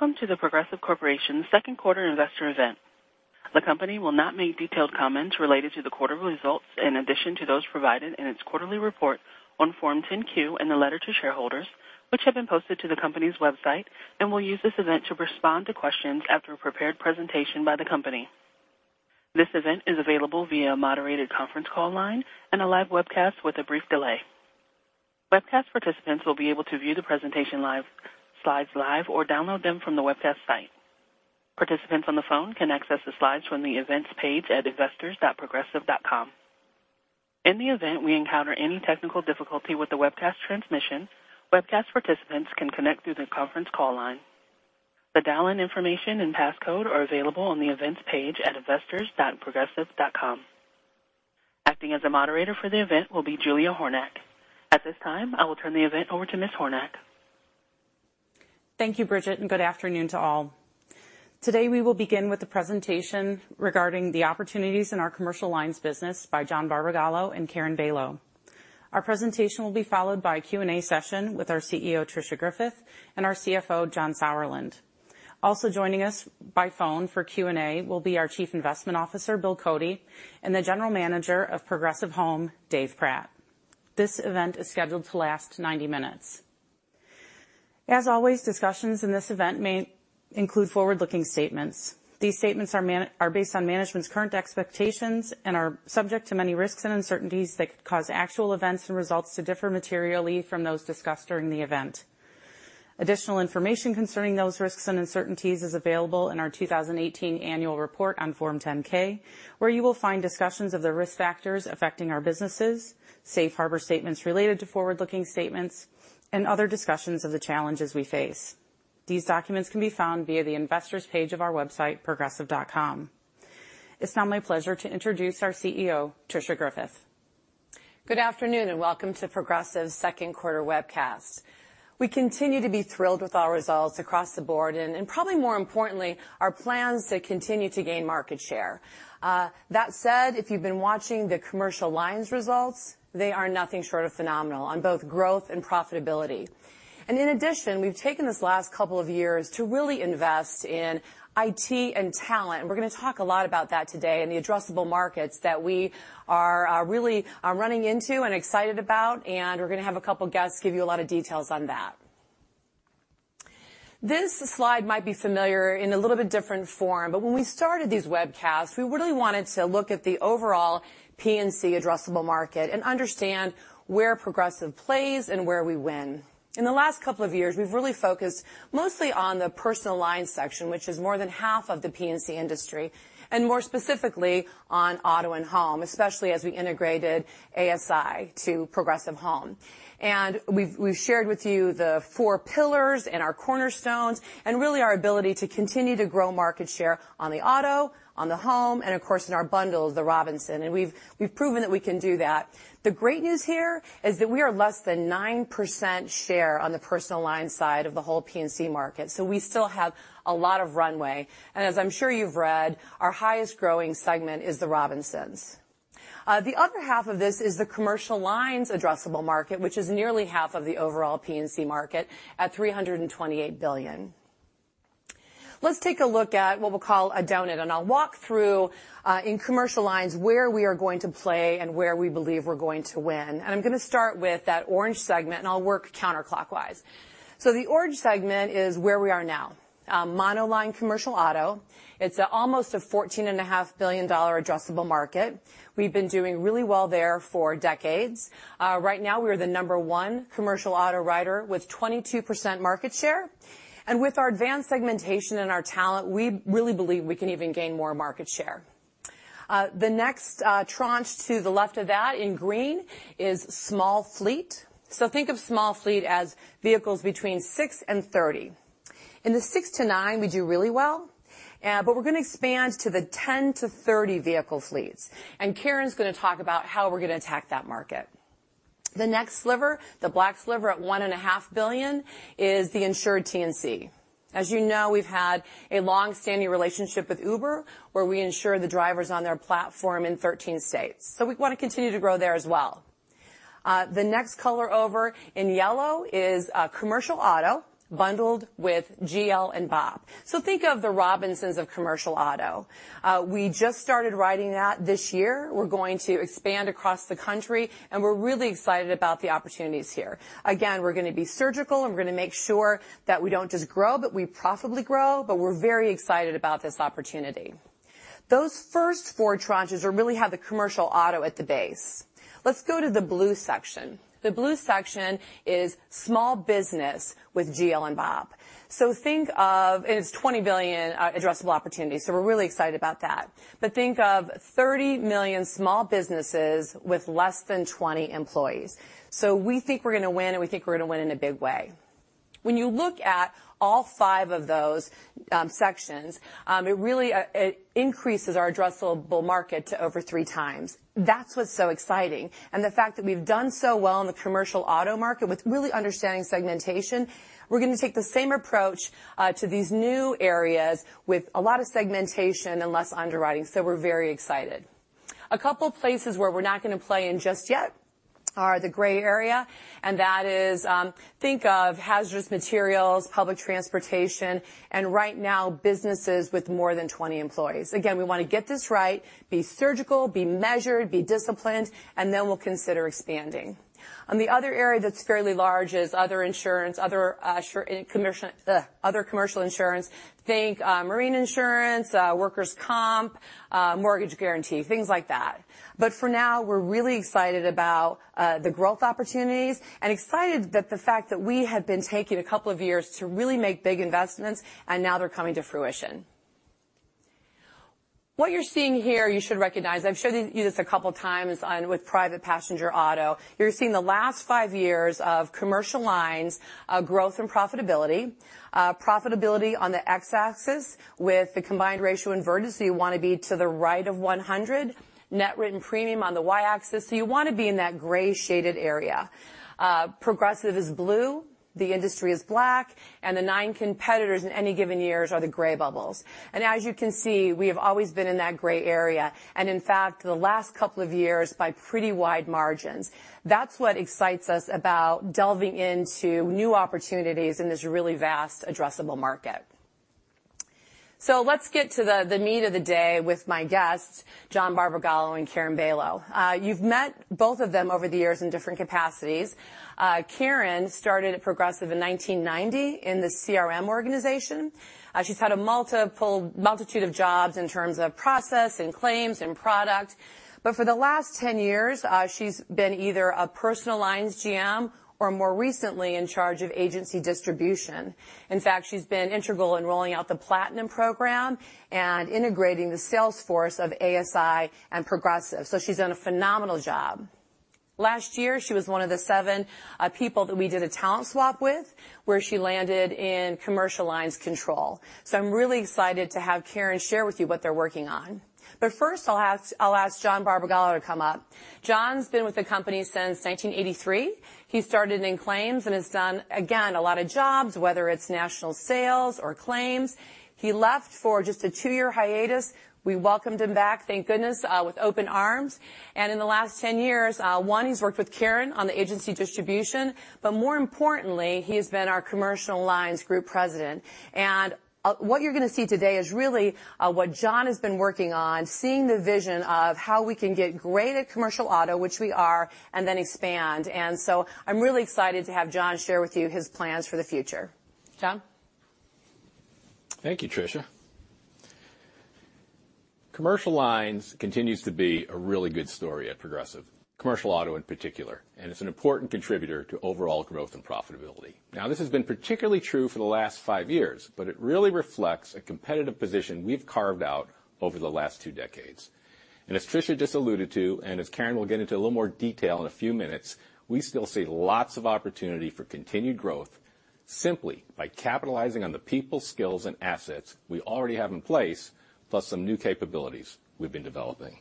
Welcome to The Progressive Corporation second quarter investor event. The company will not make detailed comments related to the quarterly results in addition to those provided in its quarterly report on Form 10-Q and the letter to shareholders, which have been posted to the company's website, and will use this event to respond to questions after a prepared presentation by the company. This event is available via a moderated conference call line and a live webcast with a brief delay. Webcast participants will be able to view the presentation slides live or download them from the webcast site. Participants on the phone can access the slides from the Events page at investors.progressive.com. In the event we encounter any technical difficulty with the webcast transmission, webcast participants can connect through the conference call line. The dial-in information and passcode are available on the Events page at investors.progressive.com. Acting as a moderator for the event will be Julia Hornack. At this time, I will turn the event over to Ms. Hornack. Thank you, Bridget, and good afternoon to all. Today we will begin with the presentation regarding the opportunities in our Commercial Lines business by John Barbagallo and Karen Bailo. Our presentation will be followed by a Q&A session with our CEO, Tricia Griffith, and our CFO, John Sauerland. Also joining us by phone for Q&A will be our Chief Investment Officer, William Cody, and the General Manager of Progressive Home, Dave Pratt. This event is scheduled to last 90 minutes. As always, discussions in this event may include forward-looking statements. These statements are based on management's current expectations and are subject to many risks and uncertainties that cause actual events and results to differ materially from those discussed during the event. Additional information concerning those risks and uncertainties is available in our 2018 annual report on Form 10-K, where you will find discussions of the risk factors affecting our businesses, safe harbor statements related to forward-looking statements, and other discussions of the challenges we face. These documents can be found via the investors page of our website, progressive.com. It's now my pleasure to introduce our CEO, Tricia Griffith. Good afternoon, welcome to Progressive's second quarter webcast. We continue to be thrilled with our results across the board, and probably more importantly, our plans to continue to gain market share. That said, if you've been watching the Commercial Lines results, they are nothing short of phenomenal on both growth and profitability. In addition, we've taken this last couple of years to really invest in IT and talent, and we're going to talk a lot about that today and the addressable markets that we are really running into and excited about, and we're going to have a couple guests give you a lot of details on that. This slide might be familiar in a little bit different form, but when we started these webcasts, we really wanted to look at the overall P&C addressable market and understand where Progressive plays and where we win. In the last couple of years, we've really focused mostly on the Personal Lines section, which is more than half of the P&C industry, and more specifically on auto and home, especially as we integrated ASI to Progressive Home. We've shared with you the four pillars and our cornerstones and really our ability to continue to grow market share on the auto, on the home, and of course, in our bundles, the Robinsons, and we've proven that we can do that. The great news here is that we are less than 9% share on the Personal Lines side of the whole P&C market. We still have a lot of runway, and as I'm sure you've read, our highest growing segment is the Robinsons. The other half of this is the Commercial Lines addressable market, which is nearly half of the overall P&C market at $328 billion. Let's take a look at what we'll call a donut, and I'll walk through, in Commercial Lines, where we are going to play and where we believe we're going to win. I'm going to start with that orange segment, and I'll work counterclockwise. The orange segment is where we are now. Monoline Commercial Auto. It's almost a $14.5 billion addressable market. We've been doing really well there for decades. Right now, we are the number one Commercial Auto writer with 22% market share. With our advanced segmentation and our talent, we really believe we can even gain more market share. The next tranche to the left of that in green is small fleet. Think of small fleet as vehicles between six and 30. In the six to nine, we do really well, but we're going to expand to the 10 to 30 vehicle fleets, and Karen's going to talk about how we're going to attack that market. The next sliver, the black sliver at $1.5 billion, is the insured TNC. As you know, we've had a long-standing relationship with Uber, where we insure the drivers on their platform in 13 states. We want to continue to grow there as well. The next color over in yellow is Commercial Auto bundled with GL and BOP. Think of the Robinsons of Commercial Auto. We just started writing that this year. We're going to expand across the country, and we're really excited about the opportunities here. Again, we're going to be surgical, and we're going to make sure that we don't just grow, but we profitably grow, but we're very excited about this opportunity. Those first four tranches really have the commercial auto at the base. Let's go to the blue section. The blue section is small business with GL and BOP. Think of, it's $20 billion addressable markets. We're really excited about that. Think of 30 million small businesses with less than 20 employees. We think we're going to win, and we think we're going to win in a big way. When you look at all 5 of those sections, it really increases our addressable market to over 3 times. That's what's so exciting, and the fact that we've done so well in the commercial auto market with really understanding segmentation, we're going to take the same approach to these new areas with a lot of segmentation and less underwriting. We're very excited. A couple places where we're not going to play in just yet are the gray area, and that is think of hazardous materials, public transportation, and right now businesses with more than 20 employees. Again, we want to get this right, be surgical, be measured, be disciplined, and then we'll consider expanding. The other area that's fairly large is other insurance, other commercial insurance. Think marine insurance, workers' comp, mortgage guarantee, things like that. For now, we're really excited about the growth opportunities and excited that the fact that we have been taking a couple of years to really make big investments, and now they're coming to fruition. What you're seeing here, you should recognize. I've showed you this a couple of times with private passenger auto. You're seeing the last 5 years of Commercial Lines of growth and profitability. Profitability on the X-axis with the combined ratio inverted, so you want to be to the right of 100. Net written premium on the Y-axis, so you want to be in that gray shaded area. Progressive is blue, the industry is black, and the 9 competitors in any given years are the gray bubbles. As you can see, we have always been in that gray area, and in fact, the last couple of years by pretty wide margins. That's what excites us about delving into new opportunities in this really vast addressable market. Let's get to the meat of the day with my guests, John Barbagallo and Karen Bailogh. You've met both of them over the years in different capacities. Karen started at Progressive in 1990 in the CRM organization. She's had a multitude of jobs in terms of process and claims and product. For the last 10 years, she's been either a Personal Lines GM, or more recently, in charge of agency distribution. In fact, she's been integral in rolling out the Platinum program and integrating the sales force of ASI and Progressive. She's done a phenomenal job. Last year, she was one of the 7 people that we did a talent swap with, where she landed in Commercial Lines control. I'm really excited to have Karen share with you what they're working on. First, I'll ask John Barbagallo to come up. John's been with the company since 1983. He started in claims and has done, again, a lot of jobs, whether it's national sales or claims. He left for just a 2-year hiatus. We welcomed him back, thank goodness, with open arms. In the last 10 years, one, he's worked with Karen on the agency distribution, but more importantly, he has been our Commercial Lines Group President. What you're going to see today is really what John has been working on, seeing the vision of how we can get great at Commercial Auto, which we are, and then expand. I'm really excited to have John share with you his plans for the future. John? Thank you, Tricia. Commercial Lines continues to be a really good story at Progressive, Commercial Auto in particular, and it's an important contributor to overall growth and profitability. Now, this has been particularly true for the last five years, but it really reflects a competitive position we've carved out over the last two decades. As Tricia just alluded to, and as Karen will get into a little more detail in a few minutes, we still see lots of opportunity for continued growth simply by capitalizing on the people skills and assets we already have in place, plus some new capabilities we've been developing.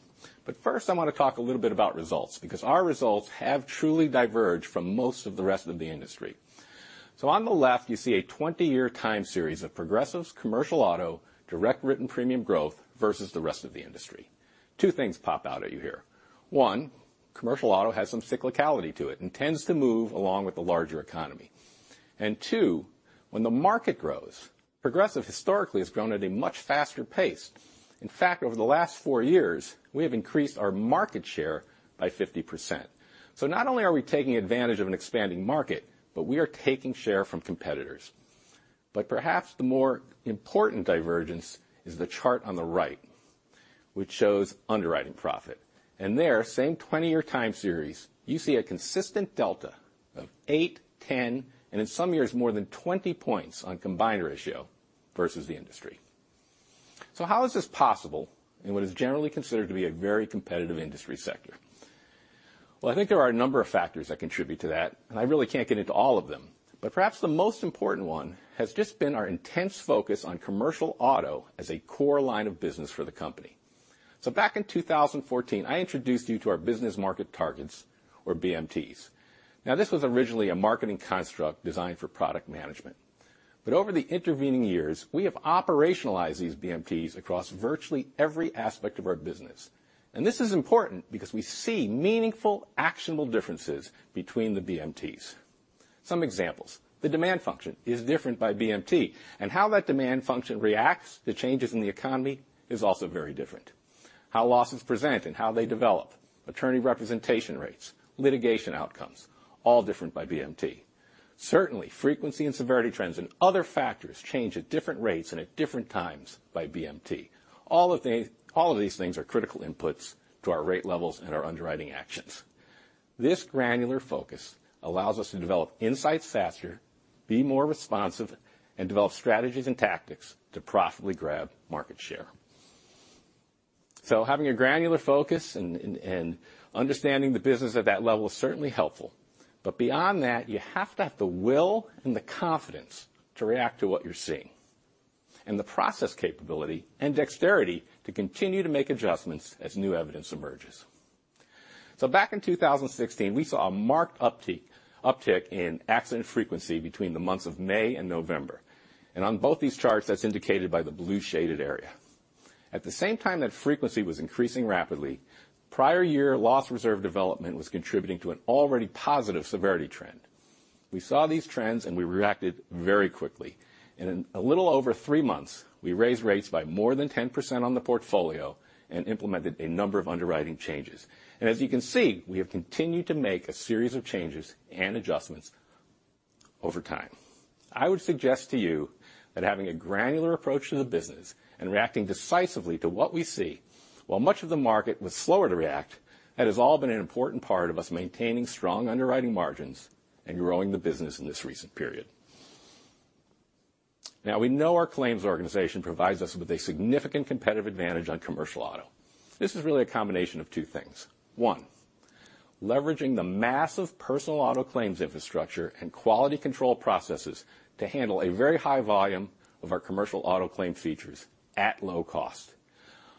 First, I want to talk a little bit about results because our results have truly diverged from most of the rest of the industry. On the left, you see a 20-year time series of Progressive's Commercial Auto direct written premium growth versus the rest of the industry. Two things pop out at you here. One, Commercial Auto has some cyclicality to it and tends to move along with the larger economy. Two, when the market grows, Progressive historically has grown at a much faster pace. In fact, over the last four years, we have increased our market share by 50%. Not only are we taking advantage of an expanding market, but we are taking share from competitors. Perhaps the more important divergence is the chart on the right, which shows underwriting profit. There, same 20-year time series, you see a consistent delta of eight, 10, and in some years, more than 20 points on combined ratio versus the industry. How is this possible in what is generally considered to be a very competitive industry sector? Well, I think there are a number of factors that contribute to that, and I really can't get into all of them. Perhaps the most important one has just been our intense focus on Commercial Auto as a core line of business for the company. Back in 2014, I introduced you to our Business Market Targets or BMTs. This was originally a marketing construct designed for product management. Over the intervening years, we have operationalized these BMTs across virtually every aspect of our business. This is important because we see meaningful, actionable differences between the BMTs. Some examples. The demand function is different by BMT, and how that demand function reacts to changes in the economy is also very different. How losses present and how they develop, attorney representation rates, litigation outcomes, all different by BMT. Certainly, frequency and severity trends and other factors change at different rates and at different times by BMT. All of these things are critical inputs to our rate levels and our underwriting actions. This granular focus allows us to develop insights faster, be more responsive, and develop strategies and tactics to profitably grab market share. Having a granular focus and understanding the business at that level is certainly helpful. Beyond that, you have to have the will and the confidence to react to what you're seeing, and the process capability and dexterity to continue to make adjustments as new evidence emerges. Back in 2016, we saw a marked uptick in accident frequency between the months of May and November. On both these charts, that's indicated by the blue shaded area. At the same time that frequency was increasing rapidly, prior year loss reserve development was contributing to an already positive severity trend. We saw these trends, and we reacted very quickly. In a little over three months, we raised rates by more than 10% on the portfolio and implemented a number of underwriting changes. As you can see, we have continued to make a series of changes and adjustments over time. I would suggest to you that having a granular approach to the business and reacting decisively to what we see, while much of the market was slower to react, that has all been an important part of us maintaining strong underwriting margins and growing the business in this recent period. We know our claims organization provides us with a significant competitive advantage on commercial auto. This is really a combination of two things. One, leveraging the massive personal auto claims infrastructure and quality control processes to handle a very high volume of our commercial auto claim features at low cost.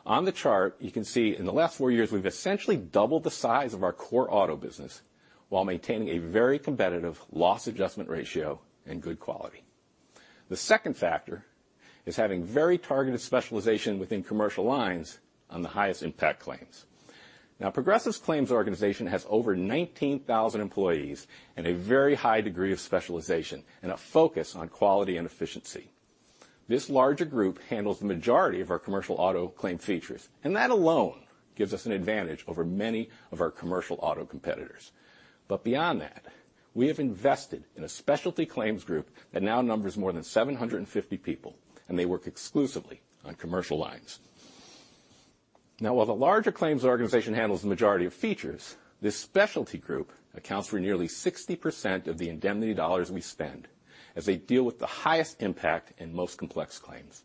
On the chart, you can see in the last four years, we've essentially doubled the size of our core auto business while maintaining a very competitive loss adjustment ratio and good quality. The second factor is having very targeted specialization within commercial lines on the highest impact claims. Progressive's claims organization has over 19,000 employees and a very high degree of specialization and a focus on quality and efficiency. This larger group handles the majority of our commercial auto claim features, and that alone gives us an advantage over many of our commercial auto competitors. Beyond that, we have invested in a specialty claims group that now numbers more than 750 people, and they work exclusively on commercial lines. While the larger claims organization handles the majority of features, this specialty group accounts for nearly 60% of the indemnity dollars we spend as they deal with the highest impact and most complex claims.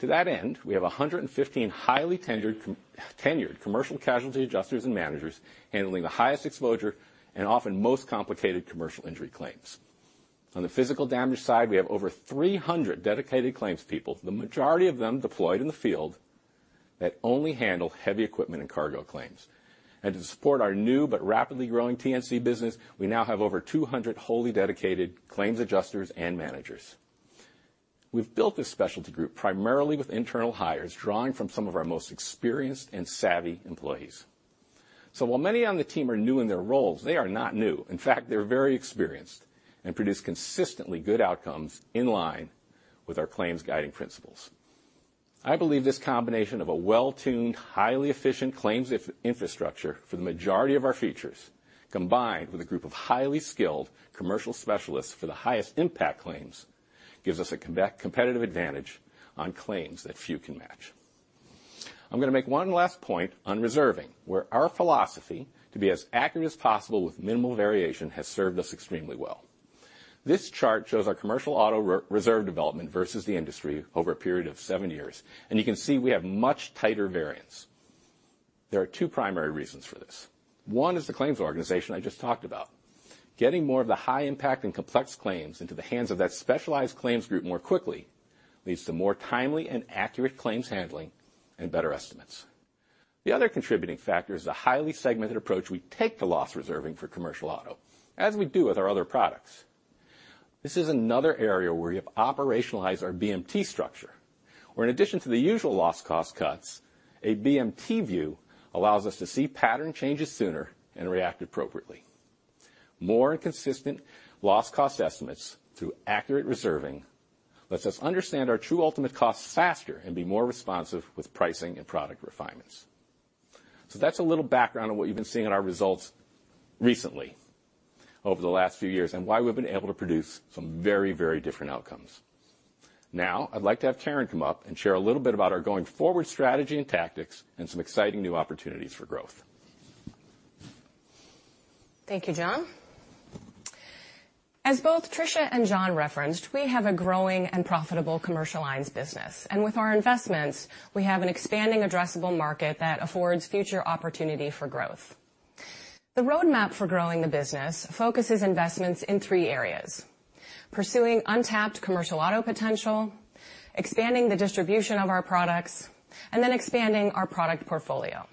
To that end, we have 115 highly tenured commercial casualty adjusters and managers handling the highest exposure and often most complicated commercial injury claims. On the physical damage side, we have over 300 dedicated claims people, the majority of them deployed in the field, that only handle heavy equipment and cargo claims. To support our new but rapidly growing TNC business, we now have over 200 wholly dedicated claims adjusters and managers. We've built this specialty group primarily with internal hires, drawing from some of our most experienced and savvy employees. While many on the team are new in their roles, they are not new. In fact, they're very experienced and produce consistently good outcomes in line with our claims guiding principles. I believe this combination of a well-tuned, highly efficient claims infrastructure for the majority of our features, combined with a group of highly skilled commercial specialists for the highest impact claims, gives us a competitive advantage on claims that few can match. I'm going to make one last point on reserving, where our philosophy to be as accurate as possible with minimal variation has served us extremely well. This chart shows our commercial auto reserve development versus the industry over a period of seven years, and you can see we have much tighter variance. There are two primary reasons for this. One is the claims organization I just talked about. Getting more of the high impact and complex claims into the hands of that specialized claims group more quickly leads to more timely and accurate claims handling and better estimates. The other contributing factor is the highly segmented approach we take to loss reserving for commercial auto, as we do with our other products. This is another area where we have operationalized our BMT structure, where in addition to the usual loss cost cuts, a BMT view allows us to see pattern changes sooner and react appropriately. More and consistent loss cost estimates through accurate reserving lets us understand our true ultimate costs faster and be more responsive with pricing and product refinements. That's a little background on what you've been seeing in our results recently over the last few years and why we've been able to produce some very different outcomes. Now I'd like to have Karen come up and share a little bit about our going forward strategy and tactics and some exciting new opportunities for growth. Thank you, John. As both Tricia and John referenced, we have a growing and profitable commercial lines business. With our investments, we have an expanding addressable market that affords future opportunity for growth. The roadmap for growing the business focuses investments in three areas, pursuing untapped commercial auto potential, expanding the distribution of our products, and then expanding our product portfolio.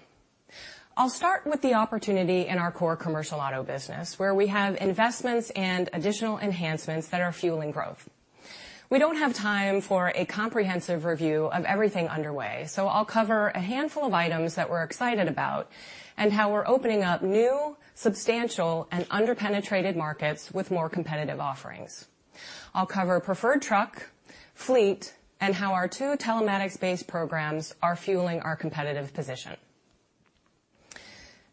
I'll start with the opportunity in our core commercial auto business, where we have investments and additional enhancements that are fueling growth. We don't have time for a comprehensive review of everything underway, so I'll cover a handful of items that we're excited about and how we're opening up new, substantial, and under-penetrated markets with more competitive offerings. I'll cover preferred truck, fleet, and how our two telematics-based programs are fueling our competitive position.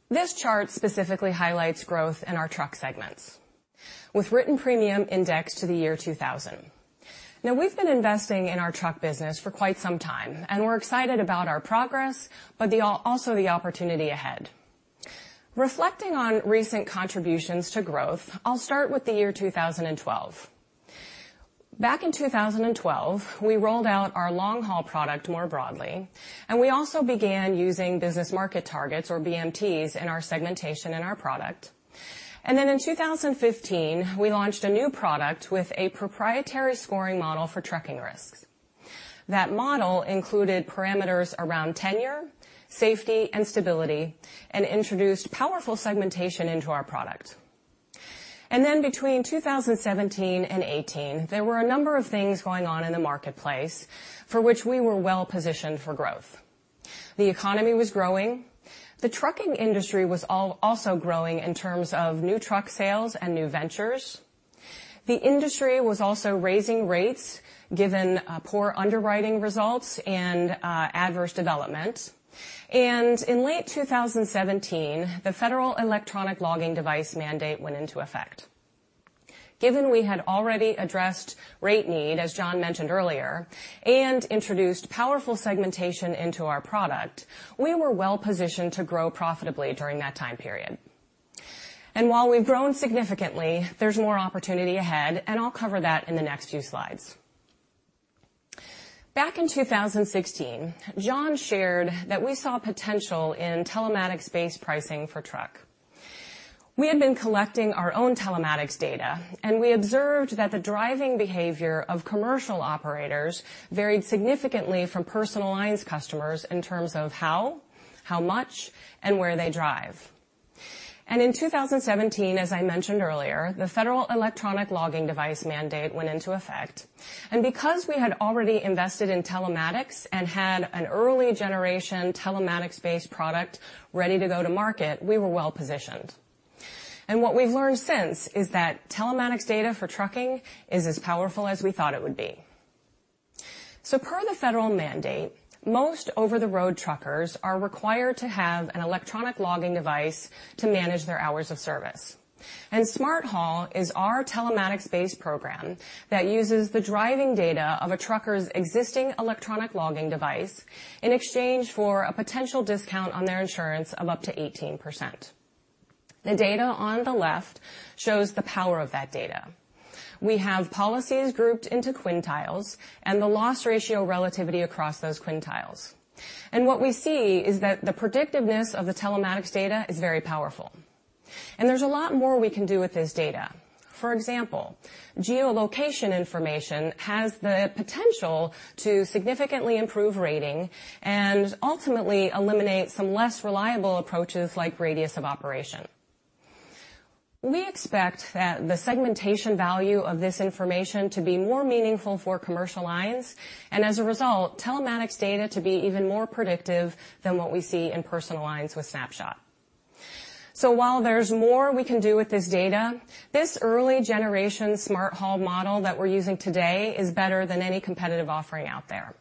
This chart specifically highlights growth in our truck segments with written premium indexed to the year 2000. We've been investing in our truck business for quite some time, and we're excited about our progress, but also the opportunity ahead. Reflecting on recent contributions to growth, I'll start with the year 2012. Back in 2012, we rolled out our long-haul product more broadly, and we also began using Business Market Targets or BMTs in our segmentation in our product. In 2015, we launched a new product with a proprietary scoring model for trucking risks. That model included parameters around tenure, safety, and stability and introduced powerful segmentation into our product. Between 2017 and 2018, there were a number of things going on in the marketplace for which we were well-positioned for growth. The economy was growing. The trucking industry was also growing in terms of new truck sales and new ventures. The industry was also raising rates given poor underwriting results and adverse development. In late 2017, the federal electronic logging device mandate went into effect. Given we had already addressed rate need, as John mentioned earlier, and introduced powerful segmentation into our product, we were well-positioned to grow profitably during that time period. While we've grown significantly, there's more opportunity ahead, and I'll cover that in the next few slides. Back in 2016, John shared that we saw potential in telematics-based pricing for truck. We had been collecting our own telematics data, and we observed that the driving behavior of commercial operators varied significantly from personal lines customers in terms of how much, and where they drive. In 2017, as I mentioned earlier, the federal electronic logging device mandate went into effect. Because we had already invested in telematics and had an early generation telematics-based product ready to go to market, we were well-positioned. What we've learned since is that telematics data for trucking is as powerful as we thought it would be. Per the federal mandate, most over-the-road truckers are required to have an electronic logging device to manage their hours of service. Smart Haul is our telematics-based program that uses the driving data of a trucker's existing electronic logging device in exchange for a potential discount on their insurance of up to 18%. The data on the left shows the power of that data. We have policies grouped into quintiles and the loss ratio relativity across those quintiles. What we see is that the predictiveness of the telematics data is very powerful. There's a lot more we can do with this data. For example, geolocation information has the potential to significantly improve rating and ultimately eliminate some less reliable approaches like radius of operation. We expect that the segmentation value of this information to be more meaningful for commercial lines, and as a result, telematics data to be even more predictive than what we see in personal lines with Snapshot. While there's more we can do with this data, this early generation Smart Haul model that we're using today is better than any competitive offering out there.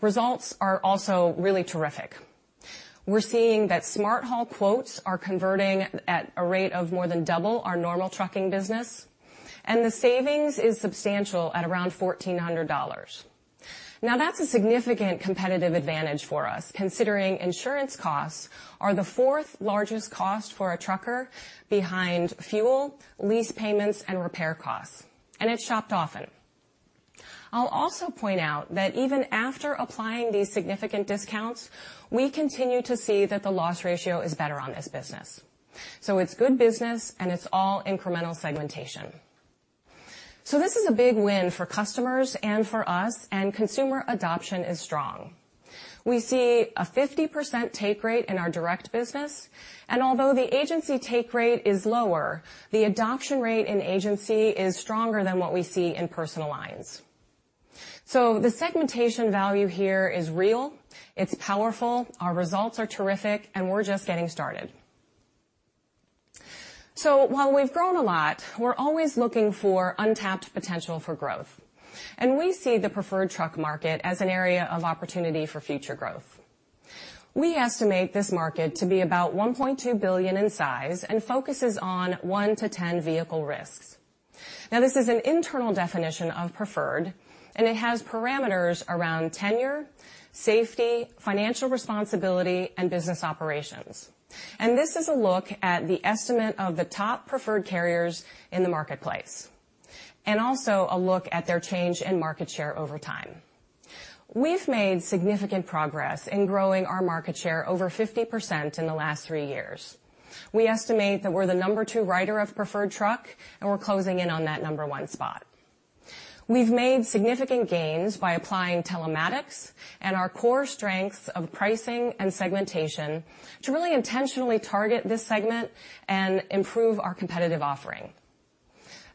Results are also really terrific. We're seeing that Smart Haul quotes are converting at a rate of more than double our normal trucking business, and the savings is substantial at around $1,400. That's a significant competitive advantage for us, considering insurance costs are the fourth-largest cost for a trucker behind fuel, lease payments, and repair costs, and it's shopped often. I'll also point out that even after applying these significant discounts, we continue to see that the loss ratio is better on this business. It's good business, and it's all incremental segmentation. This is a big win for customers and for us, and consumer adoption is strong. We see a 50% take rate in our direct business, and although the agency take rate is lower, the adoption rate in agency is stronger than what we see in personal lines. The segmentation value here is real, it's powerful, our results are terrific, and we're just getting started. While we've grown a lot, we're always looking for untapped potential for growth, and we see the preferred truck market as an area of opportunity for future growth. We estimate this market to be about $1.2 billion in size and focuses on one to 10 vehicle risks. This is an internal definition of preferred, and it has parameters around tenure, safety, financial responsibility, and business operations. This is a look at the estimate of the top preferred carriers in the marketplace and also a look at their change in market share over time. We've made significant progress in growing our market share over 50% in the last three years. We estimate that we're the number 2 writer of preferred truck, and we're closing in on that number 1 spot. We've made significant gains by applying telematics and our core strengths of pricing and segmentation to really intentionally target this segment and improve our competitive offering.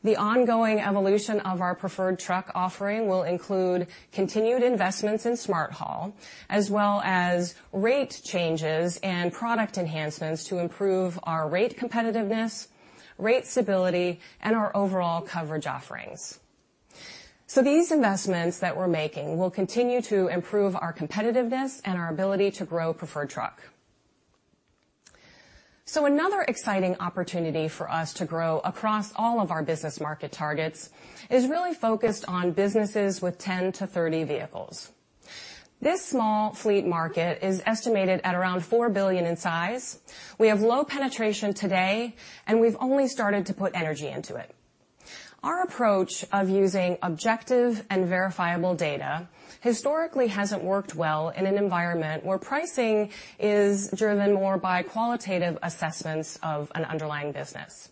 The ongoing evolution of our preferred truck offering will include continued investments in Smart Haul as well as rate changes and product enhancements to improve our rate competitiveness, rate stability, and our overall coverage offerings. These investments that we're making will continue to improve our competitiveness and our ability to grow preferred truck. Another exciting opportunity for us to grow across all of our Business Market Targets is really focused on businesses with 10 to 30 vehicles. This small fleet market is estimated at around $4 billion in size. We have low penetration today, and we've only started to put energy into it. Our approach of using objective and verifiable data historically hasn't worked well in an environment where pricing is driven more by qualitative assessments of an underlying business.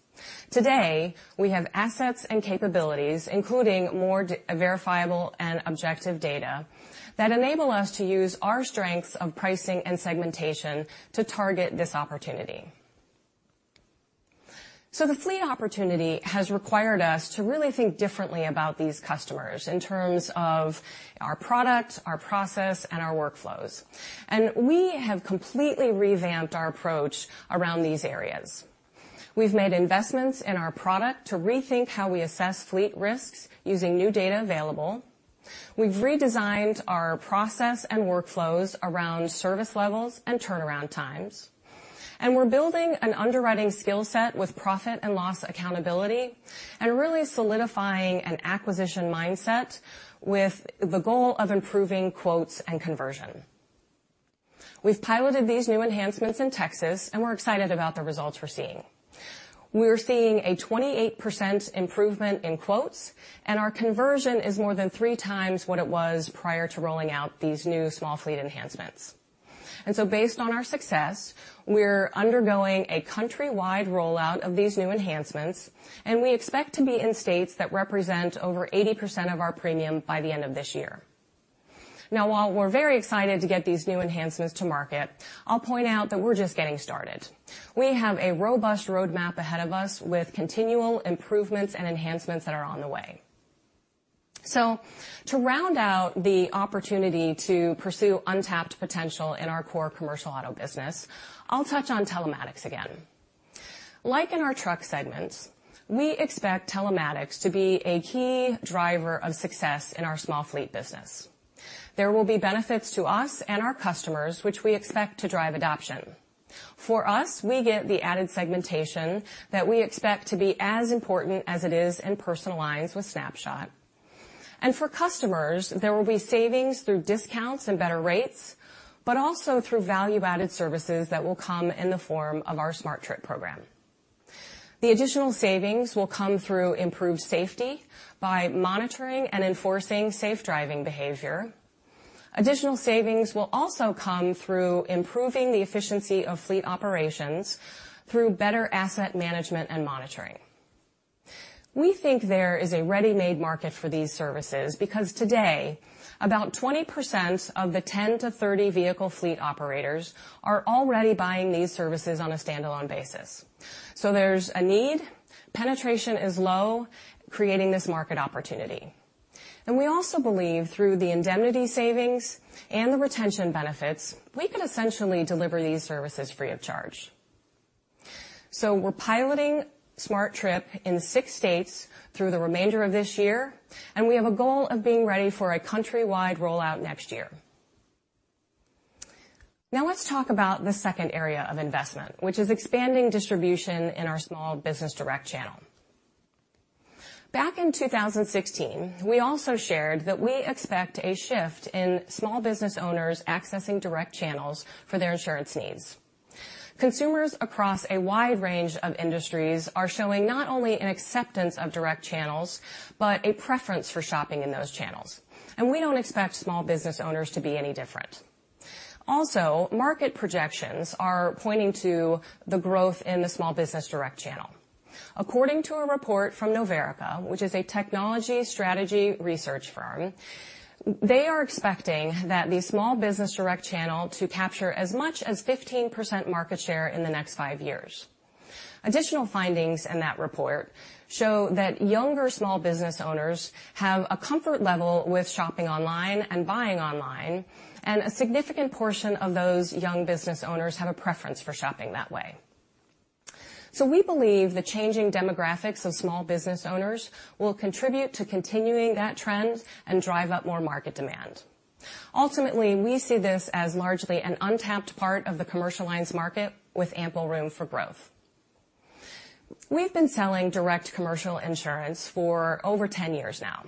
Today, we have assets and capabilities, including more verifiable and objective data, that enable us to use our strengths of pricing and segmentation to target this opportunity. The fleet opportunity has required us to really think differently about these customers in terms of our product, our process, and our workflows. We have completely revamped our approach around these areas. We've made investments in our product to rethink how we assess fleet risks using new data available. We've redesigned our process and workflows around service levels and turnaround times. We're building an underwriting skill set with profit and loss accountability and really solidifying an acquisition mindset with the goal of improving quotes and conversion. We've piloted these new enhancements in Texas, and we're excited about the results we're seeing. We're seeing a 28% improvement in quotes, and our conversion is more than three times what it was prior to rolling out these new small fleet enhancements. Based on our success, we're undergoing a countrywide rollout of these new enhancements, and we expect to be in states that represent over 80% of our premium by the end of this year. While we're very excited to get these new enhancements to market, I'll point out that we're just getting started. We have a robust roadmap ahead of us with continual improvements and enhancements that are on the way. To round out the opportunity to pursue untapped potential in our core commercial auto business, I'll touch on telematics again. Like in our truck segments, we expect telematics to be a key driver of success in our small fleet business. There will be benefits to us and our customers, which we expect to drive adoption. For us, we get the added segmentation that we expect to be as important as it is in personal lines with Snapshot. For customers, there will be savings through discounts and better rates, but also through value-added services that will come in the form of our SmartTrip program. The additional savings will come through improved safety by monitoring and enforcing safe driving behavior. Additional savings will also come through improving the efficiency of fleet operations through better asset management and monitoring. We think there is a ready-made market for these services because today about 20% of the 10 to 30 vehicle fleet operators are already buying these services on a standalone basis. There's a need. Penetration is low, creating this market opportunity. We also believe through the indemnity savings and the retention benefits, we could essentially deliver these services free of charge. We're piloting SmartTrip in six states through the remainder of this year, and we have a goal of being ready for a countrywide rollout next year. Let's talk about the second area of investment, which is expanding distribution in our small business direct channel. Back in 2016, we also shared that we expect a shift in small business owners accessing direct channels for their insurance needs. Consumers across a wide range of industries are showing not only an acceptance of direct channels, but a preference for shopping in those channels. We don't expect small business owners to be any different. Market projections are pointing to the growth in the small business direct channel. According to a report from Novarica, which is a technology strategy research firm, they are expecting that the small business direct channel to capture as much as 15% market share in the next five years. Additional findings in that report show that younger small business owners have a comfort level with shopping online and buying online, and a significant portion of those young business owners have a preference for shopping that way. We believe the changing demographics of small business owners will contribute to continuing that trend and drive up more market demand. Ultimately, we see this as largely an untapped part of the commercial lines market with ample room for growth. We've been selling direct commercial insurance for over 10 years now,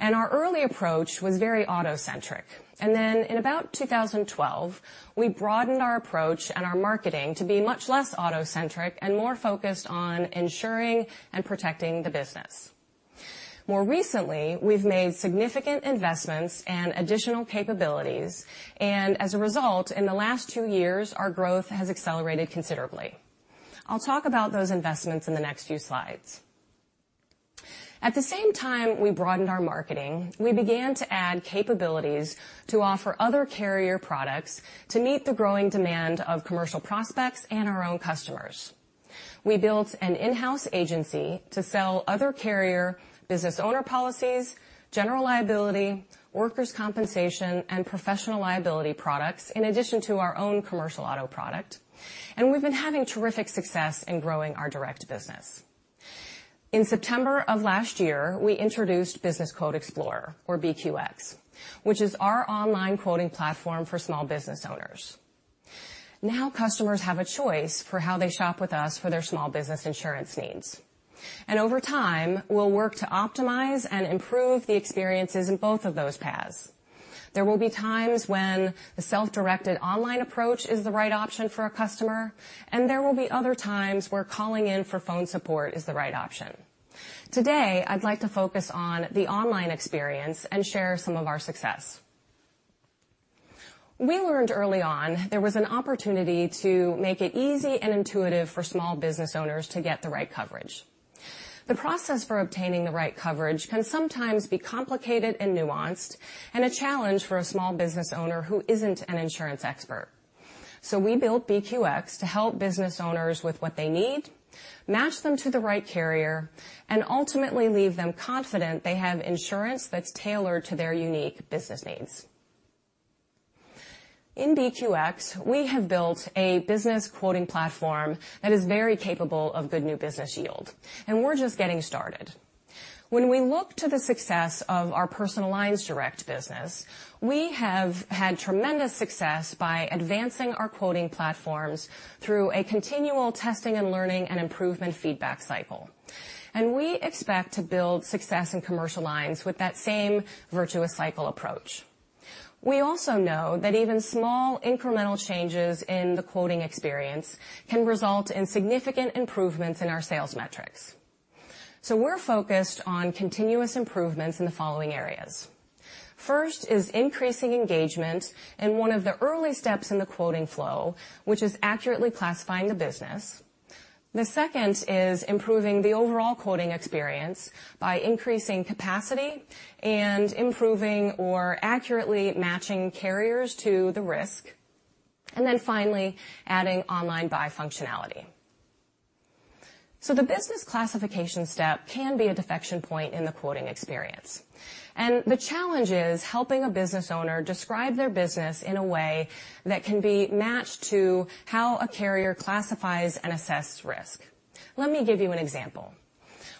and our early approach was very auto-centric. In about 2012, we broadened our approach and our marketing to be much less auto-centric and more focused on ensuring and protecting the business. More recently, we've made significant investments and additional capabilities, as a result, in the last two years, our growth has accelerated considerably. I'll talk about those investments in the next few slides. At the same time we broadened our marketing, we began to add capabilities to offer other carrier products to meet the growing demand of commercial prospects and our own customers. We built an in-house agency to sell other carrier business owner policies, general liability, workers compensation, and professional liability products, in addition to our own commercial auto product. We've been having terrific success in growing our direct business. In September of last year, we introduced BusinessQuote Explorer, or BQX, which is our online quoting platform for small business owners. Now customers have a choice for how they shop with us for their small business insurance needs. Over time, we'll work to optimize and improve the experiences in both of those paths. There will be times when the self-directed online approach is the right option for a customer, and there will be other times where calling in for phone support is the right option. Today, I'd like to focus on the online experience and share some of our success. We learned early on there was an opportunity to make it easy and intuitive for small business owners to get the right coverage. The process for obtaining the right coverage can sometimes be complicated and nuanced, and a challenge for a small business owner who isn't an insurance expert. We built BQX to help business owners with what they need, match them to the right carrier, and ultimately leave them confident they have insurance that's tailored to their unique business needs. In BQX, we have built a business quoting platform that is very capable of good new business yield, we're just getting started. When we look to the success of our personal lines direct business, we have had tremendous success by advancing our quoting platforms through a continual testing and learning and improvement feedback cycle. We expect to build success in commercial lines with that same virtuous cycle approach. We also know that even small incremental changes in the quoting experience can result in significant improvements in our sales metrics. We're focused on continuous improvements in the following areas. First is increasing engagement in one of the early steps in the quoting flow, which is accurately classifying the business. The second is improving the overall quoting experience by increasing capacity and improving or accurately matching carriers to the risk, finally adding online buy functionality. The business classification step can be a defection point in the quoting experience, and the challenge is helping a business owner describe their business in a way that can be matched to how a carrier classifies and assesses risk. Let me give you an example.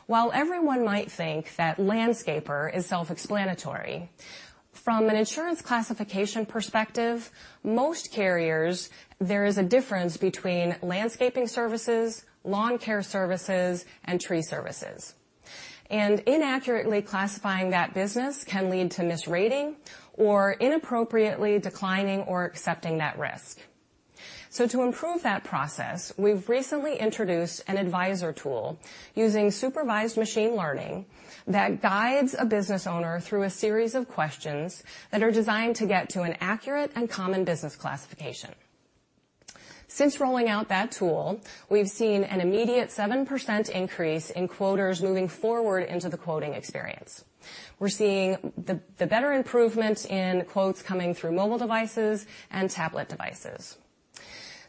While everyone might think that landscaper is self-explanatory, from an insurance classification perspective, most carriers, there is a difference between landscaping services, lawn care services, and tree services. Inaccurately classifying that business can lead to misrating or inappropriately declining or accepting that risk. To improve that process, we've recently introduced an advisor tool using supervised machine learning that guides a business owner through a series of questions that are designed to get to an accurate and common business classification. Since rolling out that tool, we've seen an immediate 7% increase in quoters moving forward into the quoting experience. We're seeing the better improvements in quotes coming through mobile devices and tablet devices.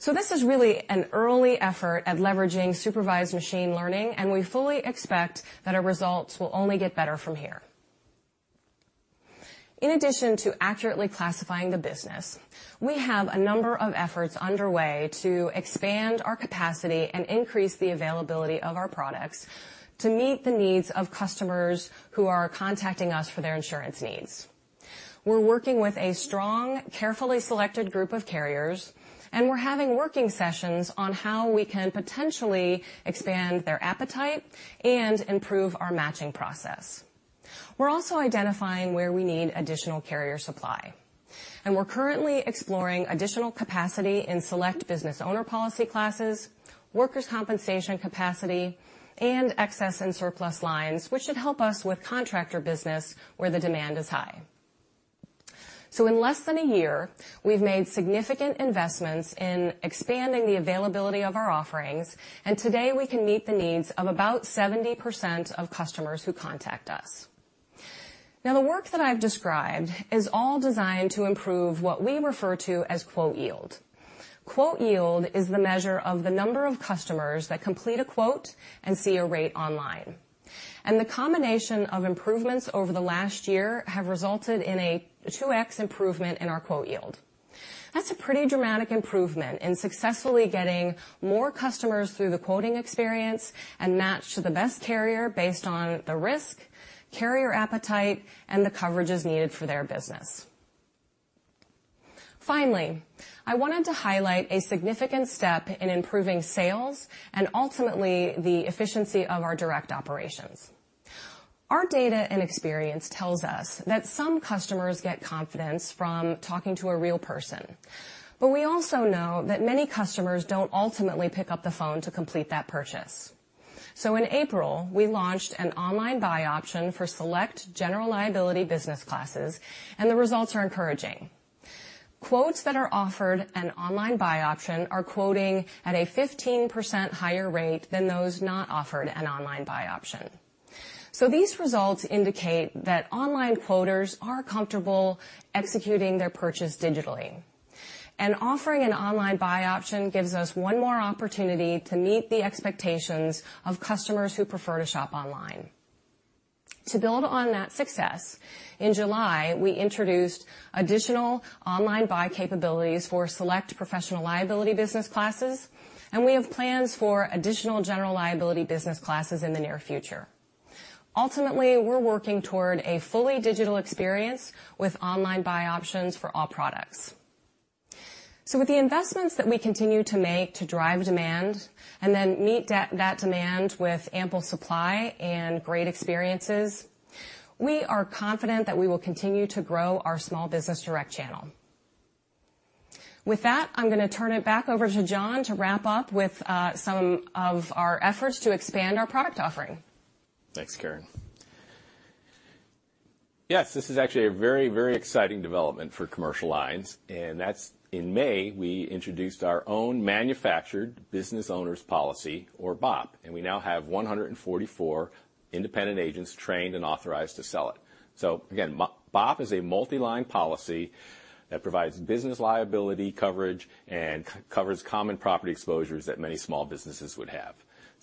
This is really an early effort at leveraging supervised machine learning, and we fully expect that our results will only get better from here. In addition to accurately classifying the business, we have a number of efforts underway to expand our capacity and increase the availability of our products to meet the needs of customers who are contacting us for their insurance needs. We're working with a strong, carefully selected group of carriers, and we're having working sessions on how we can potentially expand their appetite and improve our matching process. We're also identifying where we need additional carrier supply, and we're currently exploring additional capacity in select business owner policy classes, workers compensation capacity, and excess and surplus lines, which should help us with contractor business where the demand is high. In less than a year, we've made significant investments in expanding the availability of our offerings, and today we can meet the needs of about 70% of customers who contact us. The work that I've described is all designed to improve what we refer to as quote yield. Quote yield is the measure of the number of customers that complete a quote and see a rate online. The combination of improvements over the last year have resulted in a 2x improvement in our quote yield. That's a pretty dramatic improvement in successfully getting more customers through the quoting experience and matched to the best carrier based on the risk, carrier appetite, and the coverages needed for their business. Finally, I wanted to highlight a significant step in improving sales and ultimately the efficiency of our direct operations. Our data and experience tells us that some customers get confidence from talking to a real person, but we also know that many customers don't ultimately pick up the phone to complete that purchase. In April, we launched an online buy option for select general liability business classes, and the results are encouraging. Quotes that are offered an online buy option are quoting at a 15% higher rate than those not offered an online buy option. These results indicate that online quoters are comfortable executing their purchase digitally. Offering an online buy option gives us one more opportunity to meet the expectations of customers who prefer to shop online. To build on that success, in July, we introduced additional online buy capabilities for select professional liability business classes, and we have plans for additional general liability business classes in the near future. Ultimately, we're working toward a fully digital experience with online buy options for all products. With the investments that we continue to make to drive demand and then meet that demand with ample supply and great experiences, we are confident that we will continue to grow our small business direct channel. With that, I'm going to turn it back over to John to wrap up with some of our efforts to expand our product offering. Thanks, Karen. This is actually a very exciting development for Commercial Lines. In May, we introduced our own manufactured Business Owners Policy or BOP, and we now have 144 independent agents trained and authorized to sell it. Again, BOP is a multi-line policy that provides business liability coverage and covers common property exposures that many small businesses would have.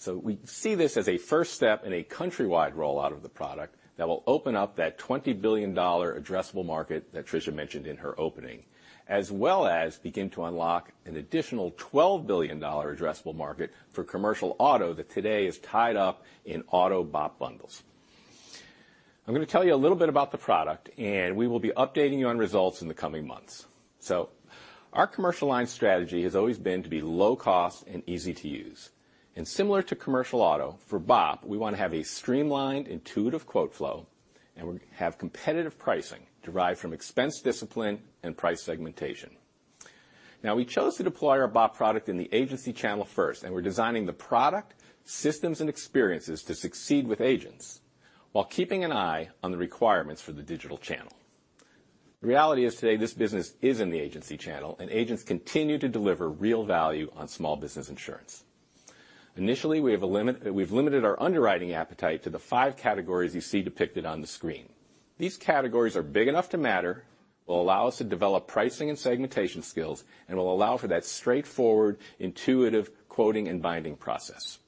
We see this as a first step in a countrywide rollout of the product that will open up that $20 billion addressable market that Tricia mentioned in her opening. Begin to unlock an additional $12 billion addressable market for Commercial Auto that today is tied up in auto BOP bundles. I'm going to tell you a little bit about the product. We will be updating you on results in the coming months. Our commercial line strategy has always been to be low cost and easy to use. Similar to Commercial Auto, for BOP, we want to have a streamlined, intuitive quote flow, and we have competitive pricing derived from expense discipline and price segmentation. We chose to deploy our BOP product in the agency channel first, and we're designing the product, systems, and experiences to succeed with agents while keeping an eye on the requirements for the digital channel. The reality is today this business is in the agency channel, and agents continue to deliver real value on small business insurance. Initially, we've limited our underwriting appetite to the 5 categories you see depicted on the screen. These categories are big enough to matter, will allow us to develop pricing and segmentation skills, will allow for that straightforward, intuitive quoting and binding process.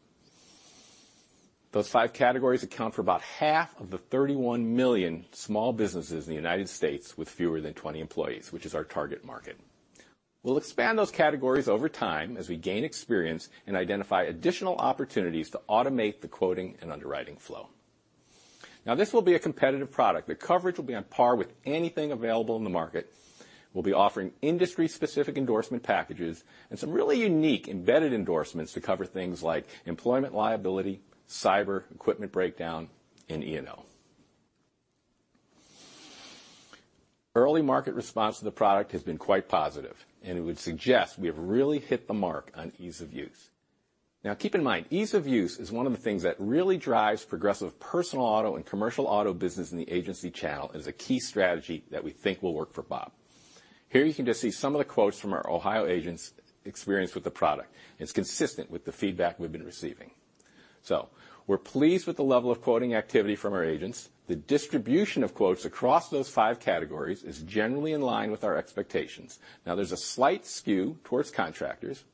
Those 5 categories account for about half of the 31 million small businesses in the United States with fewer than 20 employees, which is our target market. We'll expand those categories over time as we gain experience and identify additional opportunities to automate the quoting and underwriting flow. This will be a competitive product. The coverage will be on par with anything available in the market. We'll be offering industry-specific endorsement packages and some really unique embedded endorsements to cover things like employment liability, cyber, equipment breakdown, and E&O. Early market response to the product has been quite positive. It would suggest we have really hit the mark on ease of use. Keep in mind, ease of use is one of the things that really drives Progressive personal auto and commercial auto business in the agency channel as a key strategy that we think will work for BOP. Here you can just see some of the quotes from our Ohio agents' experience with the product. It's consistent with the feedback we've been receiving. We're pleased with the level of quoting activity from our agents. The distribution of quotes across those five categories is generally in line with our expectations. There's a slight skew towards contractors,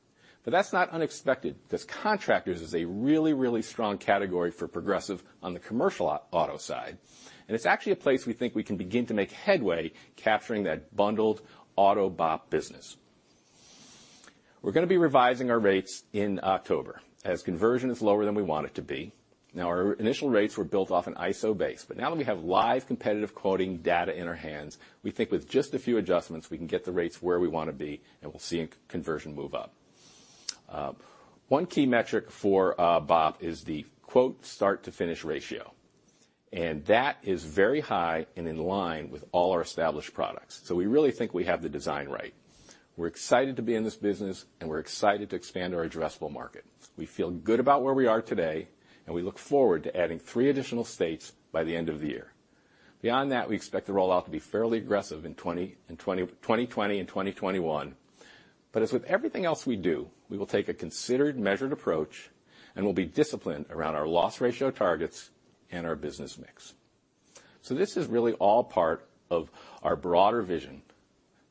but that's not unexpected because contractors is a really strong category for Progressive on the commercial auto side, and it's actually a place we think we can begin to make headway capturing that bundled auto BOP business. We're going to be revising our rates in October as conversion is lower than we want it to be. Our initial rates were built off an ISO base, but now that we have live competitive quoting data in our hands, we think with just a few adjustments, we can get the rates where we want to be, and we'll see conversion move up. One key metric for BOP is the quote start to finish ratio, and that is very high and in line with all our established products. We really think we have the design right. We're excited to be in this business, and we're excited to expand our addressable market. We feel good about where we are today, and we look forward to adding three additional states by the end of the year. Beyond that, we expect the rollout to be fairly aggressive in 2020 and 2021. As with everything else we do, we will take a considered, measured approach, and we'll be disciplined around our loss ratio targets and our business mix. This is really all part of our broader vision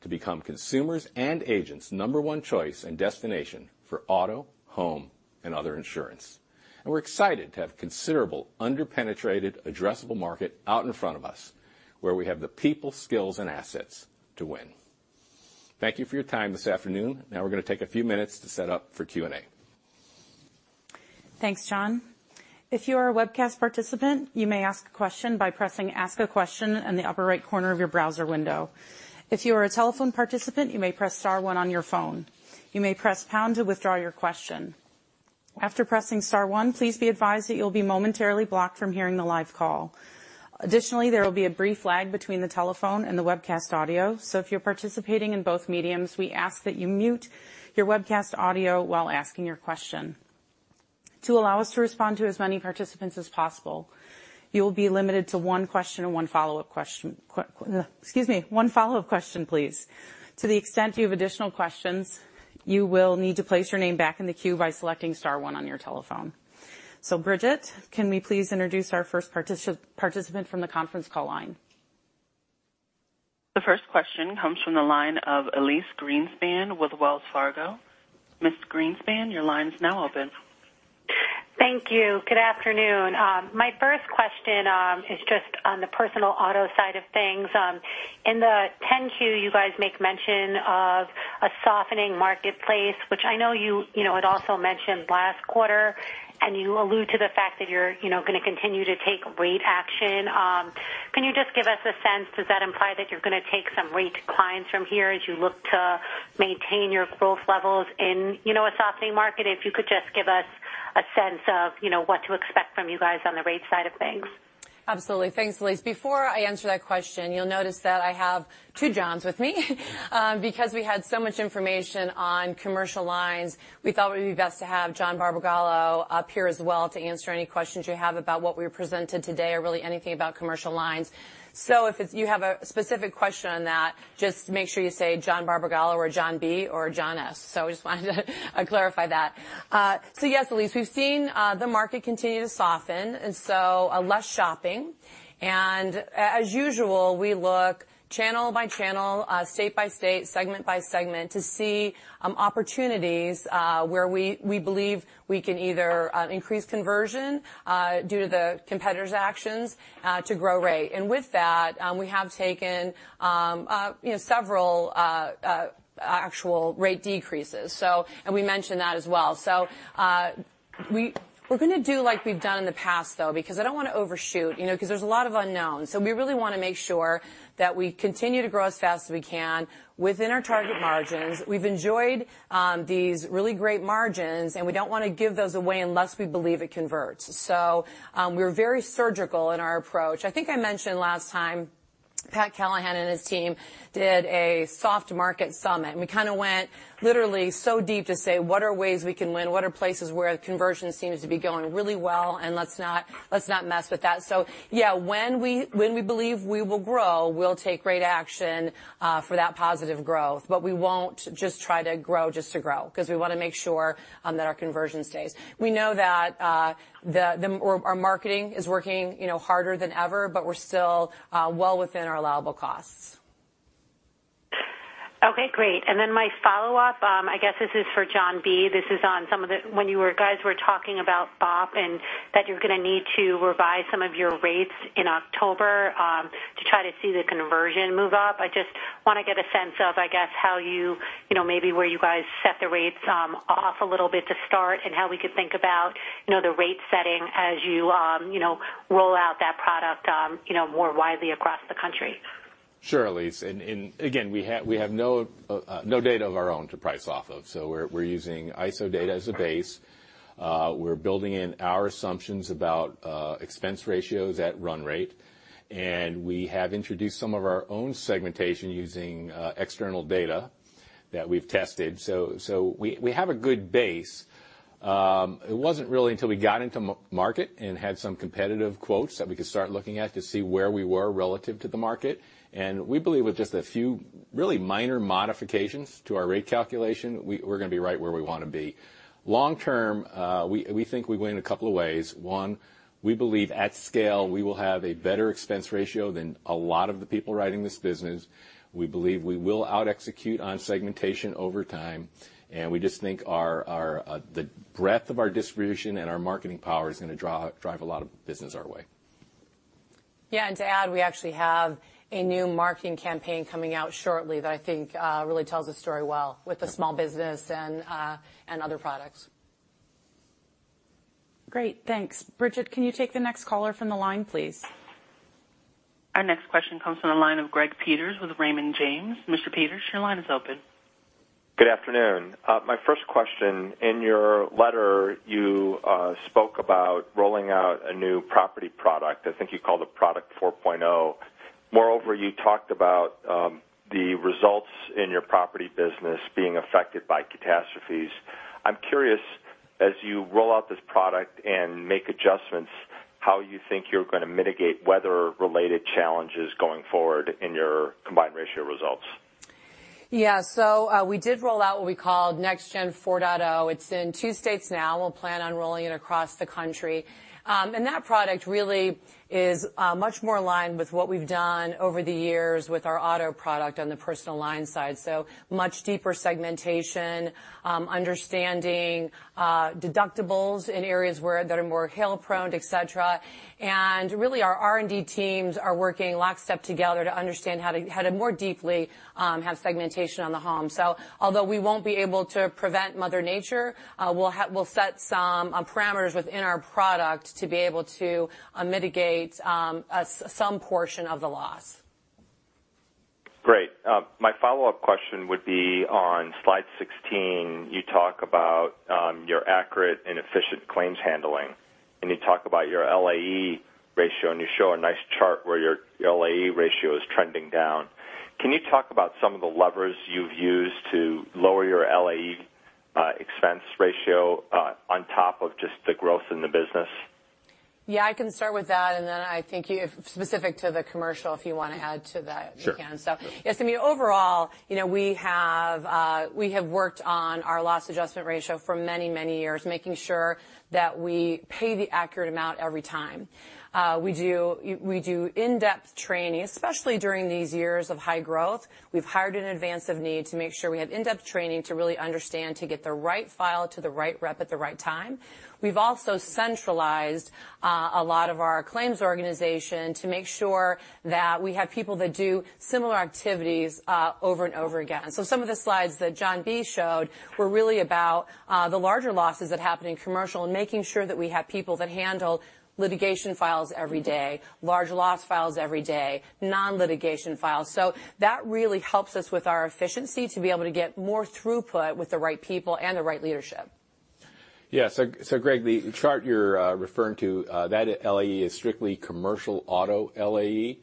to become consumers' and agents' number one choice and destination for auto, home, and other insurance. We're excited to have considerable under-penetrated addressable market out in front of us, where we have the people, skills, and assets to win. Thank you for your time this afternoon. We're going to take a few minutes to set up for Q&A. Thanks, John. If you are a webcast participant, you may ask a question by pressing Ask a Question in the upper right corner of your browser window. If you are a telephone participant, you may press star one on your phone. You may press pound to withdraw your question. After pressing star one, please be advised that you'll be momentarily blocked from hearing the live call. Additionally, there will be a brief lag between the telephone and the webcast audio. If you're participating in both mediums, we ask that you mute your webcast audio while asking your question. To allow us to respond to as many participants as possible, you will be limited to one question and one follow-up question please. To the extent you have additional questions, you will need to place your name back in the queue by selecting star one on your telephone. Bridget, can we please introduce our first participant from the conference call line? The first question comes from the line of Elyse Greenspan with Wells Fargo. Ms. Greenspan, your line is now open. Thank you. Good afternoon. My first question is just on the personal auto side of things. In the 10-Q, you guys make mention of a softening marketplace, which I know you had also mentioned last quarter, and you allude to the fact that you're going to continue to take rate action. Can you just give us a sense, does that imply that you're going to take some rate declines from here as you look to maintain your growth levels in a softening market? If you could just give us a sense of what to expect from you guys on the rate side of things. Absolutely. Thanks, Elyse. Before I answer that question, you'll notice that I have two Johns with me. We had so much information on commercial lines, we thought it would be best to have John Barbagallo up here as well to answer any questions you have about what we presented today or really anything about commercial lines. If you have a specific question on that, just make sure you say John Barbagallo or John B or John S. I just wanted to clarify that. Yes, Elyse, we've seen the market continue to soften, so less shopping. As usual, we look channel by channel, state by state, segment by segment to see opportunities where we believe we can either increase conversion due to the competitor's actions to grow rate. With that, we have taken several actual rate decreases, and we mentioned that as well. We're going to do like we've done in the past, though, because I don't want to overshoot because there's a lot of unknowns. We really want to make sure that we continue to grow as fast as we can within our target margins. We've enjoyed these really great margins, and we don't want to give those away unless we believe it converts. We're very surgical in our approach. I think I mentioned last time, Patrick Callahan and his team did a soft market summit, and we kind of went literally so deep to say what are ways we can win, what are places where conversion seems to be going really well, and let's not mess with that. Yeah, when we believe we will grow, we'll take rate action for that positive growth. We won't just try to grow just to grow because we want to make sure that our conversion stays. We know that our marketing is working harder than ever, but we're still well within our allowable costs. Okay, great. My follow-up, I guess this is for John B. This is on when you guys were talking about BOP and that you're going to need to revise some of your rates in October to try to see the conversion move up. I just want to get a sense of, I guess, maybe where you guys set the rates off a little bit to start and how we could think about the rate setting as you roll out that product more widely across the country. Sure, Elyse. Again, we have no data of our own to price off of, so we're using ISO data as a base. We're building in our assumptions about expense ratios at run rate. We have introduced some of our own segmentation using external data that we've tested. We have a good base. It wasn't really until we got into market and had some competitive quotes that we could start looking at to see where we were relative to the market. We believe with just a few really minor modifications to our rate calculation, we're going to be right where we want to be. Long term, we think we win a couple of ways. One, we believe at scale, we will have a better expense ratio than a lot of the people riding this business. We believe we will out-execute on segmentation over time, and we just think the breadth of our distribution and our marketing power is going to drive a lot of business our way. Yeah, to add, we actually have a new marketing campaign coming out shortly that I think really tells the story well with the small business and other products. Great. Thanks. Bridget, can you take the next caller from the line, please? Our next question comes from the line of Gregory Peters with Raymond James. Mr. Peters, your line is open. Good afternoon. My first question, in your letter, you spoke about rolling out a new property product. I think you called it Product 4.0. Moreover, you talked about the results in your property business being affected by catastrophes. I'm curious, as you roll out this product and make adjustments, how you think you're going to mitigate weather-related challenges going forward in your combined ratio results? Yeah. We did roll out what we called Next Gen 4.0. It's in two states now. We'll plan on rolling it across the country. That product really is much more aligned with what we've done over the years with our auto product on the personal line side. Much deeper segmentation, understanding deductibles in areas that are more hail-prone, et cetera. Really, our R&D teams are working lockstep together to understand how to more deeply have segmentation on the home. Although we won't be able to prevent Mother Nature, we'll set some parameters within our product to be able to mitigate some portion of the loss. Great. My follow-up question would be on slide 16. You talk about your accurate and efficient claims handling, and you talk about your LAE ratio, and you show a nice chart where your LAE ratio is trending down. Can you talk about some of the levers you've used to lower your LAE expense ratio on top of just the growth in the business? Yeah, I can start with that, and then I think specific to the commercial, if you want to add to that, you can. Sure. Yes, I mean, overall we have worked on our loss adjustment ratio for many, many years, making sure that we pay the accurate amount every time. We do in-depth training, especially during these years of high growth. We've hired in advance of need to make sure we have in-depth training to really understand to get the right file to the right rep at the right time. We've also centralized a lot of our claims organization to make sure that we have people that do similar activities over and over again. Some of the slides that John B showed were really about the larger losses that happen in commercial and making sure that we have people that handle litigation files every day, large loss files every day, non-litigation files. That really helps us with our efficiency to be able to get more throughput with the right people and the right leadership. Yes, Greg, the chart you're referring to, that LAE is strictly commercial auto LAE.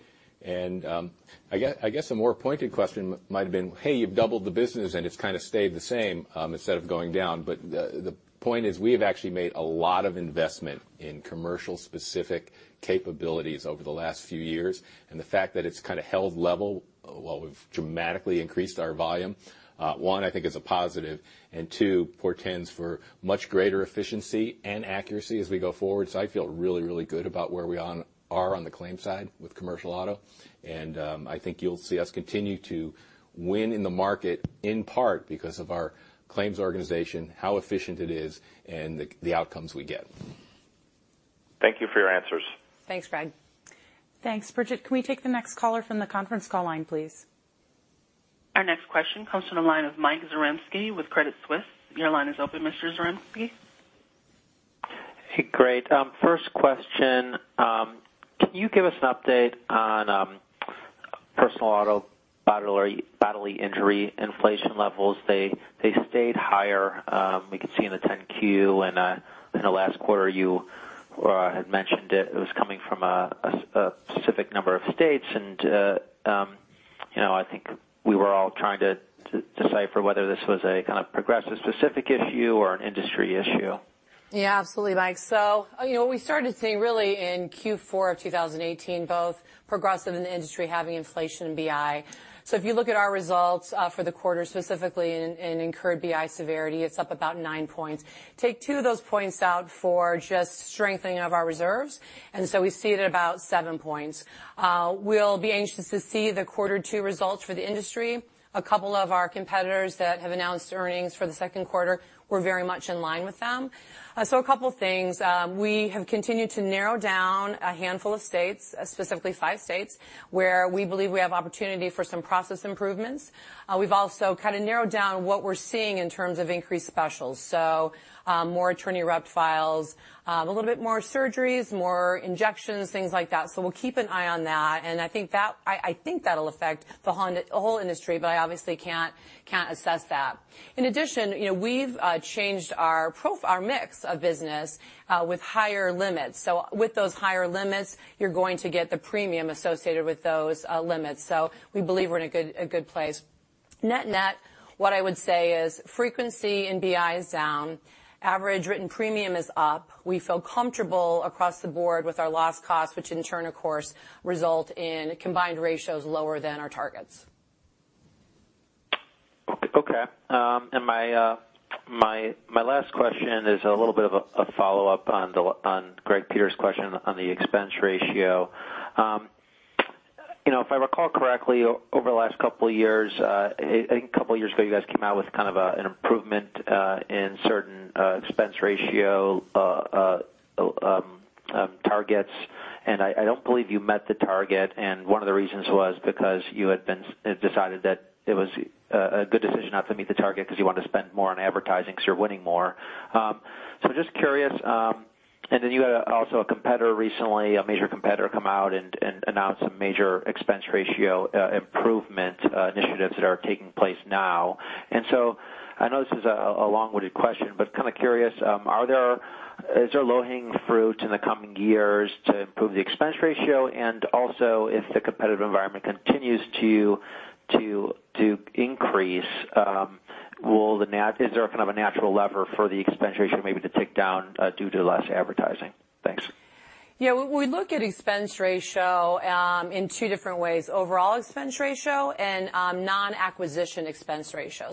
I guess a more pointed question might've been, "Hey, you've doubled the business, and it's kind of stayed the same, instead of going down." The point is, we have actually made a lot of investment in commercial-specific capabilities over the last few years. The fact that it's kind of held level while we've dramatically increased our volume, one, I think is a positive, and two, portends for much greater efficiency and accuracy as we go forward. I feel really, really good about where we are on the claims side with commercial auto. I think you'll see us continue to win in the market, in part because of our claims organization, how efficient it is, and the outcomes we get. Thank you for your answers. Thanks, Greg. Thanks. Bridget, can we take the next caller from the conference call line, please? Our next question comes from the line of Mike Zaremski with Credit Suisse. Your line is open, Mr. Zaremski. Hey, great. First question, can you give us an update on personal auto bodily injury inflation levels? They stayed higher. We could see in the 10-Q and in the last quarter you had mentioned it was coming from a specific number of states, and I think we were all trying to decipher whether this was a kind of Progressive specific issue or an industry issue. We started seeing really in Q4 of 2018, both Progressive and the industry having inflation BI. If you look at our results for the quarter specifically in incurred BI severity, it's up about 9 points. Take 2 of those points out for just strengthening of our reserves, we see it at about 7 points. We'll be anxious to see the Q2 results for the industry. A couple of our competitors that have announced earnings for the Q2, we're very much in line with them. Two things. We have continued to narrow down a handful of states, specifically 5 states, where we believe we have opportunity for some process improvements. We've also kind of narrowed down what we're seeing in terms of increased specials. More attorney rep files, a little bit more surgeries, more injections, things like that. We'll keep an eye on that, and I think that'll affect the whole industry, but I obviously can't assess that. In addition, we've changed our mix of business with higher limits. With those higher limits, you're going to get the premium associated with those limits. We believe we're in a good place. Net-net, what I would say is frequency in BI is down, average written premium is up. We feel comfortable across the board with our loss costs, which in turn, of course, result in combined ratios lower than our targets. Okay. My last question is a little bit of a follow-up on Greg Peters' question on the expense ratio. If I recall correctly, over the last two years, I think two years ago you guys came out with kind of an improvement in certain expense ratio targets, and I don't believe you met the target, and one of the reasons was because you had decided that it was a good decision not to meet the target because you wanted to spend more on advertising because you're winning more. Just curious, you had also a competitor recently, a major competitor come out and announce some major expense ratio improvement initiatives that are taking place now. I know this is a long-winded question, kind of curious, is there low-hanging fruit in the coming years to improve the expense ratio? If the competitive environment continues to increase, is there a kind of a natural lever for the expense ratio maybe to tick down due to less advertising? Thanks. We look at expense ratio in two different ways, overall expense ratio and non-acquisition expense ratio.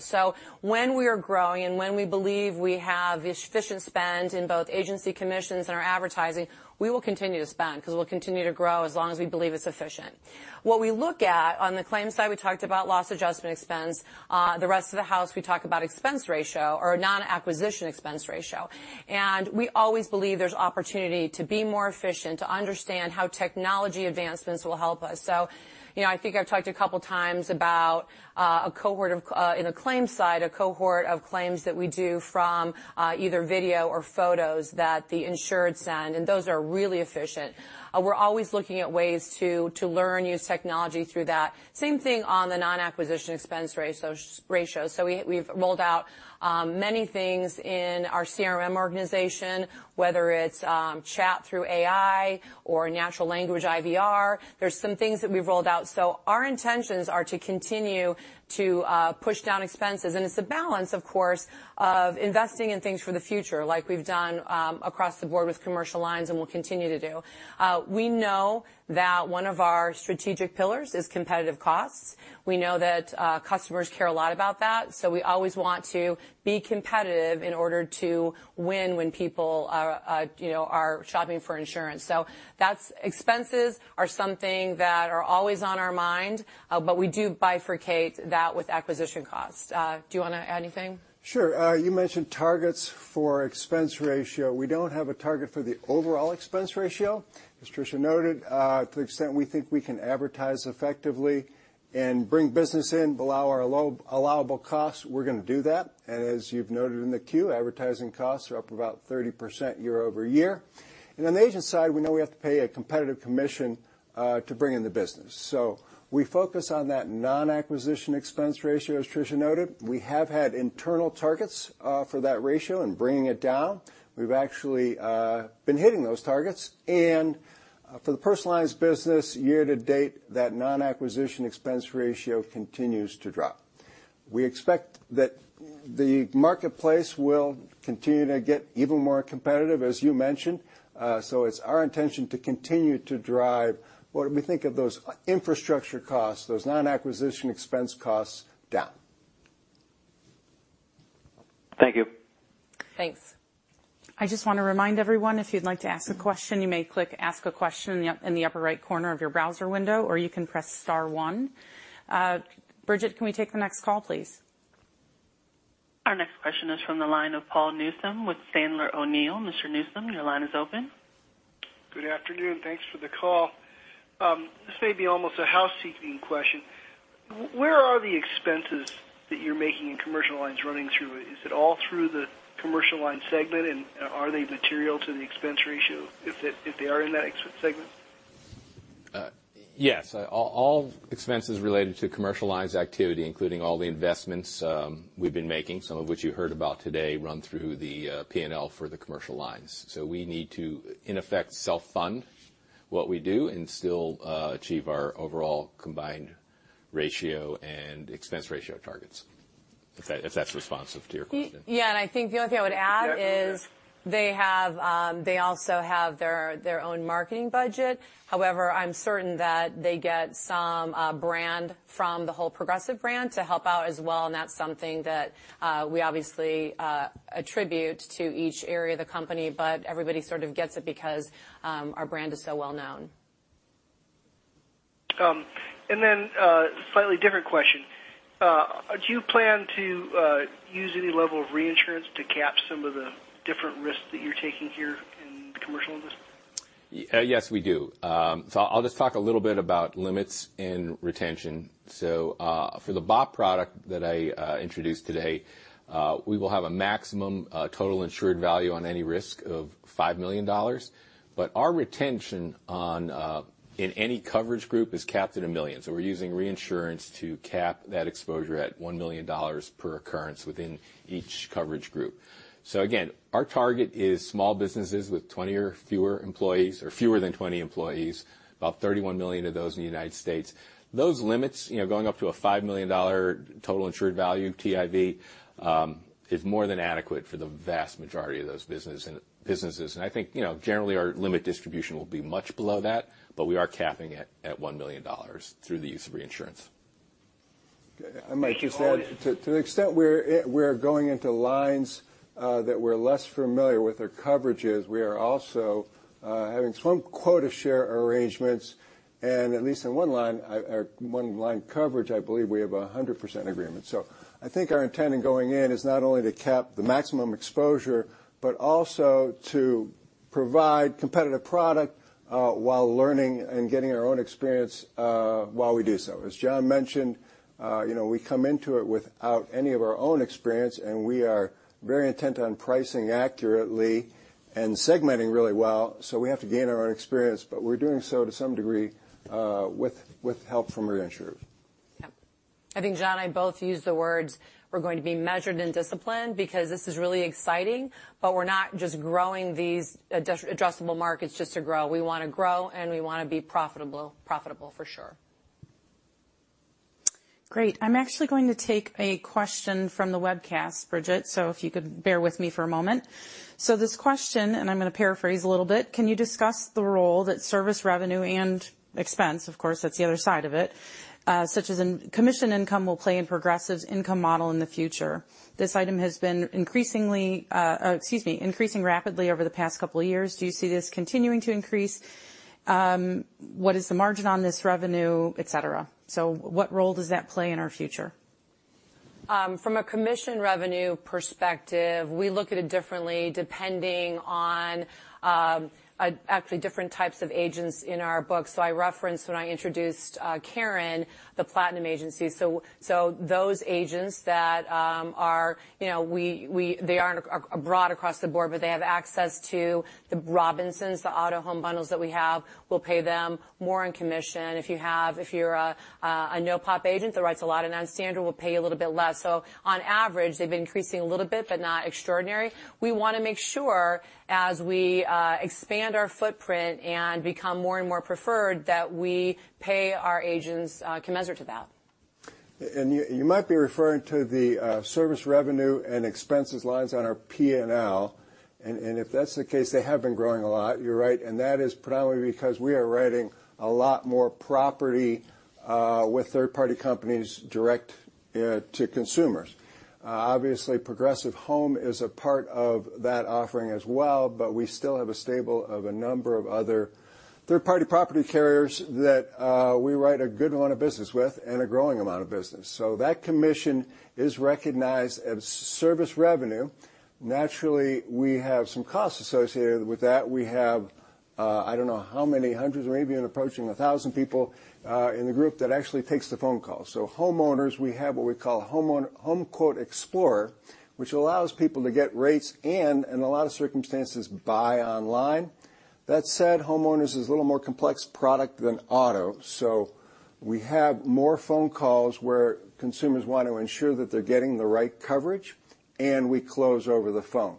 When we are growing and when we believe we have efficient spend in both agency commissions and our advertising, we will continue to spend because we will continue to grow as long as we believe it's efficient. What we look at on the claims side, we talked about loss adjustment expense. The rest of the house, we talk about expense ratio or non-acquisition expense ratio. We always believe there's opportunity to be more efficient, to understand how technology advancements will help us. I think I've talked a couple of times about in the claims side, a cohort of claims that we do from either video or photos that the insured send, and those are really efficient. We're always looking at ways to learn, use technology through that. Same thing on the non-acquisition expense ratios. We've rolled out many things in our CRM organization, whether it's chat through AI or natural language IVR. There's some things that we've rolled out. Our intentions are to continue to push down expenses, and it's a balance, of course, of investing in things for the future like we've done across the board with commercial lines and will continue to do. We know that one of our strategic pillars is competitive costs. We know that customers care a lot about that, so we always want to be competitive in order to win when people are shopping for insurance. Expenses are something that are always on our mind, but we do bifurcate that with acquisition costs. Do you want to add anything? Sure. You mentioned targets for expense ratio. We don't have a target for the overall expense ratio. As Tricia noted, to the extent we think we can advertise effectively and bring business in below our allowable costs, we're going to do that. As you've noted in the Q, advertising costs are up about 30% year-over-year. On the agent side, we know we have to pay a competitive commission To bring in the business. We focus on that non-acquisition expense ratio, as Tricia noted. We have had internal targets for that ratio and bringing it down. We've actually been hitting those targets. For the personal lines business year to date, that non-acquisition expense ratio continues to drop. We expect that the marketplace will continue to get even more competitive, as you mentioned. It's our intention to continue to drive what we think of those infrastructure costs, those non-acquisition expense costs down. Thank you. Thanks. I just want to remind everyone, if you'd like to click Ask a Question in the upper right corner of your browser window, or you can press star one. Bridget, can we take the next call, please? Our next question is from the line of Paul Newsome with Sandler O'Neill. Mr. Newsome, your line is open. Good afternoon. Thanks for the call. This may be almost a housekeeping question. Where are the expenses that you're making in Commercial Lines running through? Is it all through the Commercial Lines segment, and are they material to the expense ratio if they are in that segment? Yes. All expenses related to Commercial Lines activity, including all the investments we've been making, some of which you heard about today, run through the P&L for the Commercial Lines. We need to, in effect, self-fund what we do and still achieve our overall combined ratio and expense ratio targets. If that's responsive to your question. Yeah, I think the only thing I would add is they also have their own marketing budget. However, I'm certain that they get some brand from the whole Progressive brand to help out as well, and that's something that we obviously attribute to each area of the company. Everybody sort of gets it because our brand is so well-known. Then a slightly different question. Do you plan to use any level of reinsurance to cap some of the different risks that you're taking here in the commercial industry? Yes, we do. I'll just talk a little bit about limits and retention. For the BOP product that I introduced today, we will have a maximum total insured value on any risk of $5 million. Our retention in any coverage group is capped at $1 million. We're using reinsurance to cap that exposure at $1 million per occurrence within each coverage group. Again, our target is small businesses with 20 or fewer employees, or fewer than 20 employees, about 31 million of those in the U.S. Those limits going up to a $5 million total insured value, TIV, is more than adequate for the vast majority of those businesses. I think, generally our limit distribution will be much below that, but we are capping it at $1 million through the use of reinsurance. I might just add to the extent we're going into lines that we're less familiar with or coverages, we are also having some quota share arrangements, and at least in one line coverage, I believe we have a 100% agreement. I think our intent in going in is not only to cap the maximum exposure, but also to provide competitive product while learning and getting our own experience while we do so. As John mentioned, we come into it without any of our own experience, and we are very intent on pricing accurately and segmenting really well, so we have to gain our own experience. We're doing so to some degree with help from reinsurers. Yep. I think John and I both used the words we're going to be measured and disciplined because this is really exciting, we're not just growing these addressable markets just to grow. We want to grow, we want to be profitable for sure. Great. I'm actually going to take a question from the webcast, Bridget, if you could bear with me for a moment. This question, and I'm going to paraphrase a little bit, can you discuss the role that service revenue and expense, of course, that's the other side of it, such as commission income will play in Progressive's income model in the future? This item has been increasing rapidly over the past couple of years. Do you see this continuing to increase? What is the margin on this revenue, et cetera? What role does that play in our future? From a commission revenue perspective, we look at it differently depending on actually different types of agents in our books. I referenced when I introduced Karen, the Platinum agency. Those agents that are broad across the board, they have access to the Robinsons, the auto home bundles that we have, we'll pay them more in commission. If you're a no-pop agent that writes a lot of non-standard, we'll pay you a little bit less. On average, they've been increasing a little bit, not extraordinary. We want to make sure as we expand our footprint and become more and more preferred, that we pay our agents commensurate to that. You might be referring to the service revenue and expenses lines on our P&L, and if that's the case, they have been growing a lot, you're right. That is primarily because we are writing a lot more property with third-party companies direct to consumers. Obviously, Progressive Home is a part of that offering as well, but we still have a stable of a number of other third-party property carriers that we write a good amount of business with and a growing amount of business. That commission is recognized as service revenue. Naturally, we have some costs associated with that. We have, I don't know how many hundreds or maybe even approaching 1,000 people in the group that actually takes the phone call. Homeowners, we have what we call HomeQuote Explorer, which allows people to get rates in a lot of circumstances, buy online. That said, homeowners is a little more complex product than auto. We have more phone calls where consumers want to ensure that they're getting the right coverage, and we close over the phone.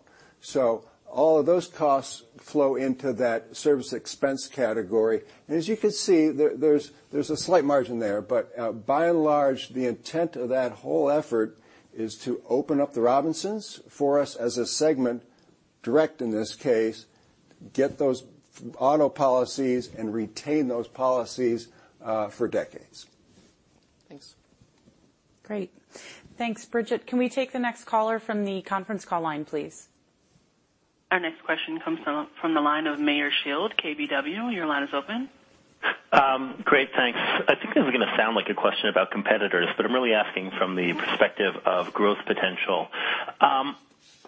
All of those costs flow into that service expense category. As you can see, there's a slight margin there, but by and large, the intent of that whole effort is to open up the Robinsons for us as a segment, direct in this case, get those auto policies and retain those policies for decades. Thanks. Great. Thanks, Bridget. Can we take the next caller from the conference call line, please? Our next question comes from the line of Meyer Shields, KBW. Your line is open. Great, thanks. I think this is going to sound like a question about competitors, but I'm really asking from the perspective of growth potential.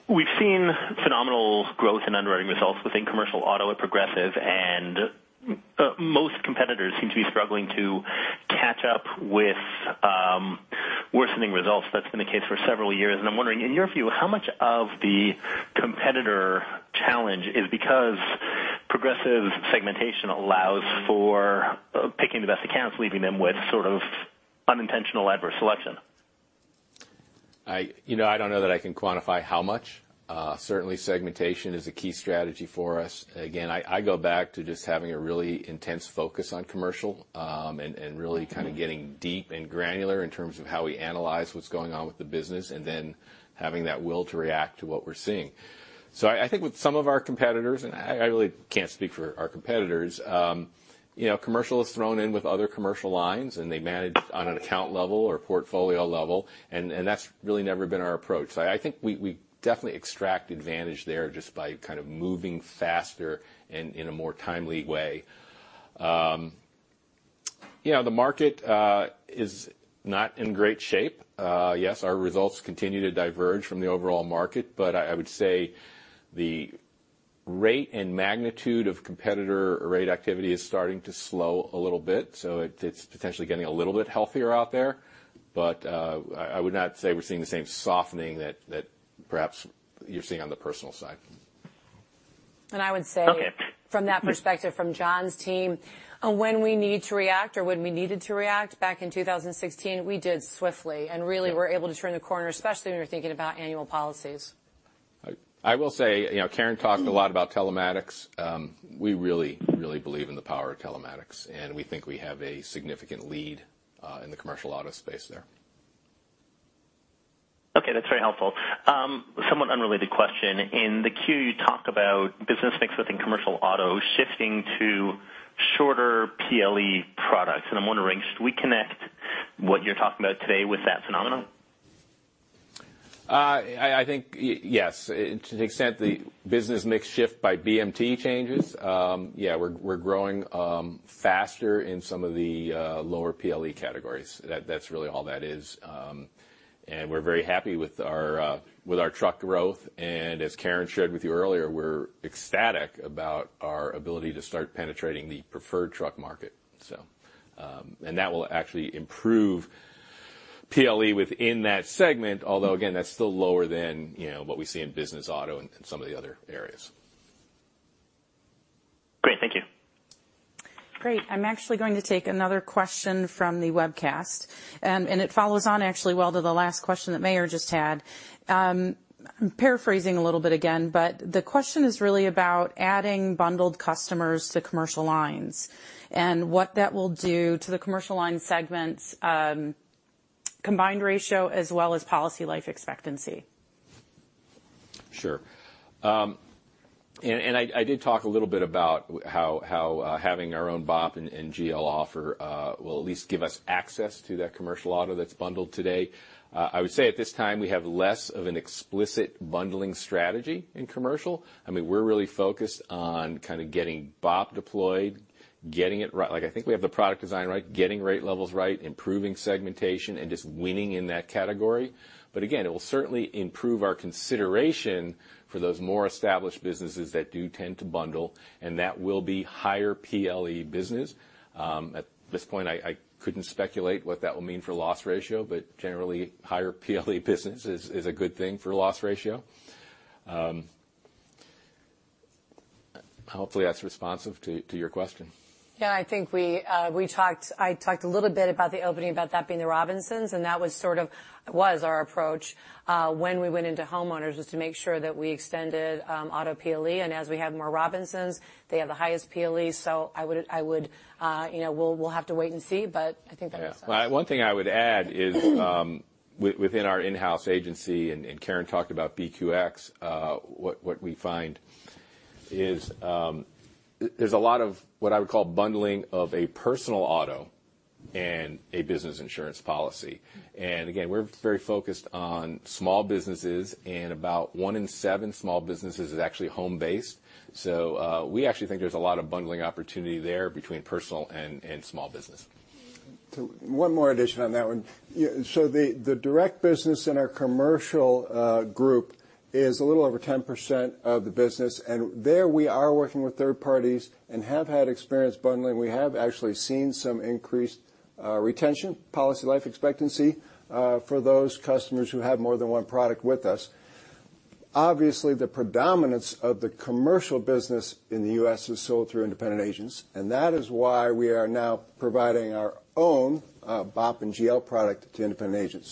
We've seen phenomenal growth in underwriting results within commercial auto at Progressive, most competitors seem to be struggling to catch up with worsening results. That's been the case for several years. I'm wondering, in your view, how much of the competitor challenge is because Progressive segmentation allows for picking the best accounts, leaving them with unintentional adverse selection? I don't know that I can quantify how much. Certainly, segmentation is a key strategy for us. Again, I go back to just having a really intense focus on commercial, and really kind of getting deep and granular in terms of how we analyze what's going on with the business, and then having that will to react to what we're seeing. I think with some of our competitors, and I really can't speak for our competitors, commercial is thrown in with other commercial lines, and they manage on an account level or portfolio level, and that's really never been our approach. I think we definitely extract advantage there just by kind of moving faster and in a more timely way. The market is not in great shape. Yes, our results continue to diverge from the overall market, but I would say the rate and magnitude of competitor rate activity is starting to slow a little bit, so it's potentially getting a little bit healthier out there. I would not say we're seeing the same softening that perhaps you're seeing on the personal side. I would say from that perspective, from John's team, when we need to react or when we needed to react back in 2016, we did swiftly and really were able to turn the corner, especially when you're thinking about annual policies. I will say, Karen talked a lot about telematics. We really believe in the power of telematics, and we think we have a significant lead in the commercial auto space there. Okay, that's very helpful. Somewhat unrelated question. In the 10-Q you talk about business mix within commercial auto shifting to shorter PLE products. I'm wondering, should we connect what you're talking about today with that phenomenon? I think yes, to the extent the business mix shift by BMT changes. Yeah, we're growing faster in some of the lower PLE categories. That's really all that is. We're very happy with our truck growth, and as Karen shared with you earlier, we're ecstatic about our ability to start penetrating the preferred truck market. That will actually improve PLE within that segment, although again, that's still lower than what we see in business auto and some of the other areas. Great. Thank you. Great. I'm actually going to take another question from the webcast. It follows on actually well to the last question that Meyer just had. I'm paraphrasing a little bit again, but the question is really about adding bundled customers to Commercial Lines and what that will do to the Commercial Lines segment's combined ratio as well as policy life expectancy. Sure. I did talk a little bit about how having our own BOP and GL offer will at least give us access to that commercial auto that's bundled today. I would say at this time, we have less of an explicit bundling strategy in commercial. I mean, we're really focused on kind of getting BOP deployed, I think we have the product design right, getting rate levels right, improving segmentation, and just winning in that category. Again, it will certainly improve our consideration for those more established businesses that do tend to bundle, and that will be higher PLE business. At this point, I couldn't speculate what that will mean for loss ratio, but generally, higher PLE business is a good thing for loss ratio. Hopefully, that's responsive to your question. Yeah, I think I talked a little bit about the opening about that being the Robinsons, and that was our approach when we went into homeowners, was to make sure that we extended auto PLE, and as we have more Robinsons, they have the highest PLE. We'll have to wait and see, but I think that makes sense. One thing I would add is within our in-house agency, and Karen talked about BQX, what we find is there's a lot of what I would call bundling of a personal auto and a business insurance policy. Again, we're very focused on small businesses, and about one in seven small businesses is actually home-based. We actually think there's a lot of bundling opportunity there between personal and small business. One more addition on that one. The direct business in our commercial group is a little over 10% of the business, and there we are working with third parties and have had experience bundling. We have actually seen some increased Retention, policy life expectancy for those customers who have more than one product with us. Obviously, the predominance of the commercial business in the U.S. is sold through independent agents, and that is why we are now providing our own BOP and GL product to independent agents.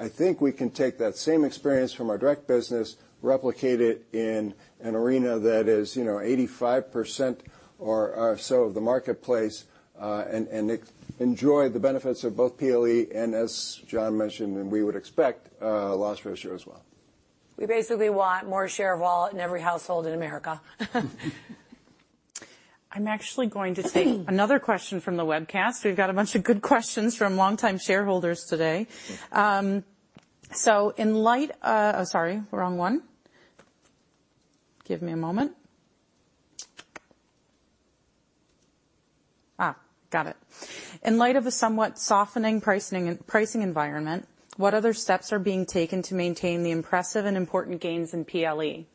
I think we can take that same experience from our direct business, replicate it in an arena that is 85% or so of the marketplace, and enjoy the benefits of both PLE and as John mentioned, and we would expect, loss ratio as well. We basically want more share of wallet in every household in America. I'm actually going to take another question from the webcast. We've got a bunch of good questions from longtime shareholders today. In light of the somewhat softening pricing environment, what other steps are being taken to maintain the impressive and important gains in PLE?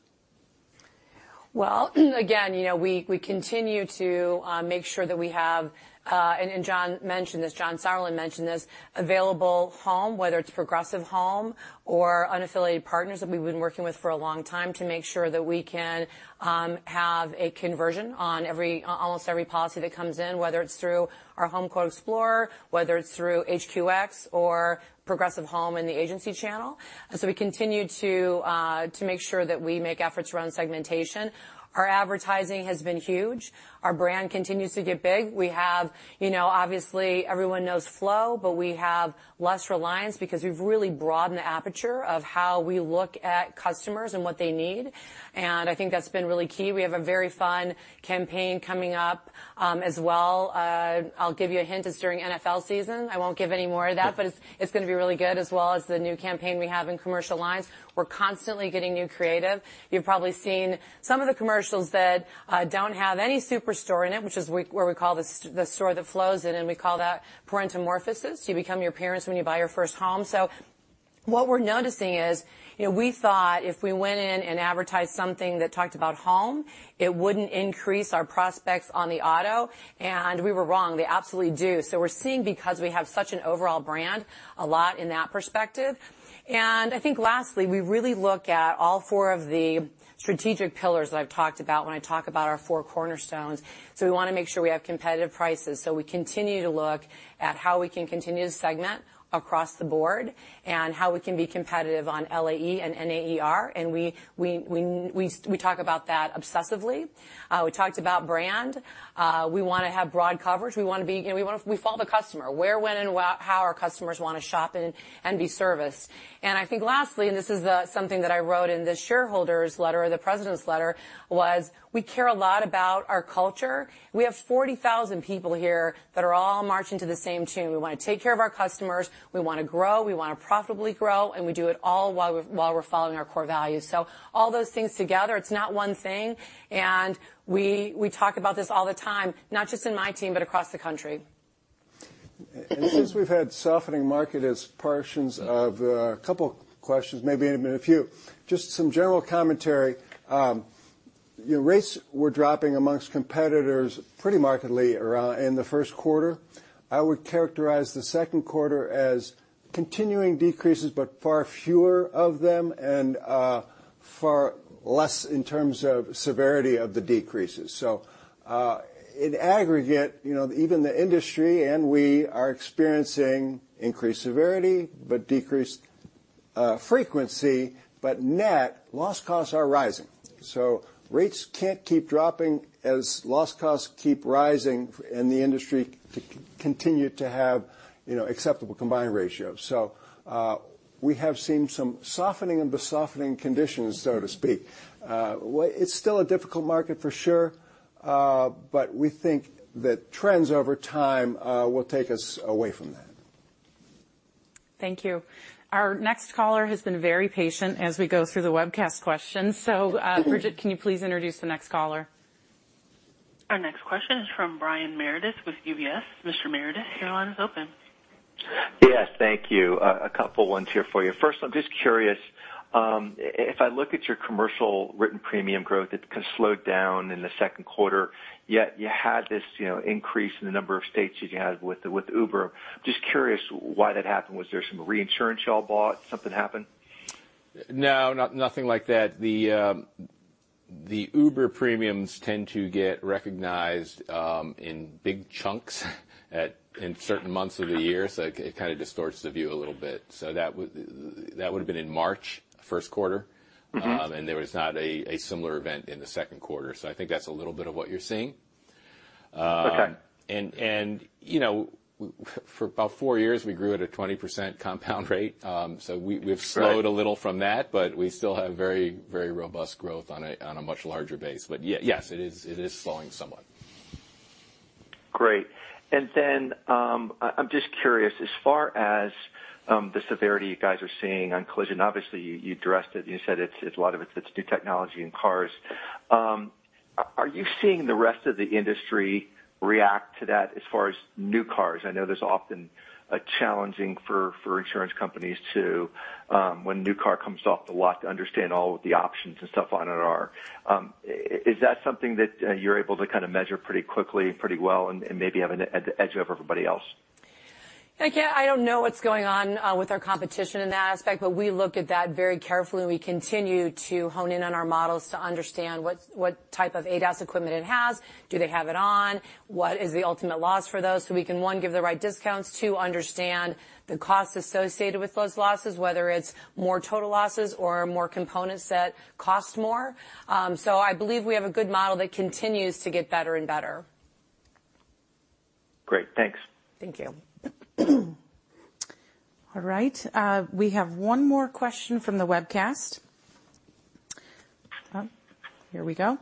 Well, again, we continue to make sure that we have, and John Sauerland mentioned this, available home, whether it's Progressive Home or unaffiliated partners that we've been working with for a long time to make sure that we can have a conversion on almost every policy that comes in, whether it's through our HomeQuote Explorer, whether it's through HQX or Progressive Home in the agency channel. We continue to make sure that we make efforts around segmentation. Our advertising has been huge. Our brand continues to get big. Obviously, everyone knows Flo, but we have less reliance because we've really broadened the aperture of how we look at customers and what they need, and I think that's been really key. We have a very fun campaign coming up as well. I'll give you a hint. It's during NFL season. I won't give any more of that, but it's going to be really good, as well as the new campaign we have in Commercial Lines. We're constantly getting new creative. You've probably seen some of the commercials that don't have any Superstore in it, which is where we call the store that Flo's in, and we call that Parentamorphosis. You become your parents when you buy your first home. What we're noticing is, we thought if we went in and advertised something that talked about home, it wouldn't increase our prospects on the auto, and we were wrong. They absolutely do. We're seeing because we have such an overall brand, a lot in that perspective. I think lastly, we really look at all four of the strategic pillars that I've talked about when I talk about our four cornerstones. We want to make sure we have competitive prices. We continue to look at how we can continue to segment across the board and how we can be competitive on LAE and NAER and we talk about that obsessively. We talked about brand. We want to have broad coverage. We follow the customer, where, when, and how our customers want to shop in and be serviced. I think lastly, and this is something that I wrote in the shareholders letter or the president's letter, was we care a lot about our culture. We have 40,000 people here that are all marching to the same tune. We want to take care of our customers. We want to grow, we want to profitably grow, and we do it all while we're following our core values. All those things together, it's not one thing, and we talk about this all the time, not just in my team, but across the country. Since we've had softening market as portions of a couple of questions, maybe even a few, just some general commentary. Rates were dropping amongst competitors pretty markedly in the first quarter. I would characterize the second quarter as continuing decreases, but far fewer of them and far less in terms of severity of the decreases. In aggregate, even the industry and we are experiencing increased severity, but decreased frequency, but net loss costs are rising. Rates can't keep dropping as loss costs keep rising and the industry continue to have acceptable combined ratio. We have seen some softening and softening conditions, so to speak. It's still a difficult market for sure, but we think that trends over time will take us away from that. Thank you. Our next caller has been very patient as we go through the webcast questions. Bridget, can you please introduce the next caller? Our next question is from Brian Meredith with UBS. Mr. Meredith, your line is open. Yes, thank you. A couple ones here for you. First, I'm just curious. If I look at your commercial written premium growth, it kind of slowed down in the second quarter, yet you had this increase in the number of states that you had with Uber. Just curious why that happened. Was there some reinsurance you all bought? Something happened? No, nothing like that. The Uber premiums tend to get recognized in big chunks in certain months of the year, so it kind of distorts the view a little bit. That would've been in March, first quarter. There was not a similar event in the second quarter. I think that's a little bit of what you're seeing. Okay. For about four years, we grew at a 20% compound rate. We've slowed a little from that, but we still have very robust growth on a much larger base. Yes, it is slowing somewhat. Great. I'm just curious, as far as the severity you guys are seeing on collision, obviously, you addressed it and you said a lot of it's new technology in cars. Are you seeing the rest of the industry react to that as far as new cars? I know that's often challenging for insurance companies, too, when a new car comes off the lot to understand all of the options and stuff on it are. Is that something that you're able to kind of measure pretty quickly and pretty well and maybe have an edge over everybody else? Thank you. I don't know what's going on with our competition in that aspect, but we look at that very carefully, and we continue to hone in on our models to understand what type of ADAS equipment it has. Do they have it on? What is the ultimate loss for those? We can, one, give the right discounts. Two, understand the cost associated with those losses, whether it's more total losses or more components that cost more. I believe we have a good model that continues to get better and better. Great. Thanks. Thank you. All right. We have one more question from the webcast. Here we go.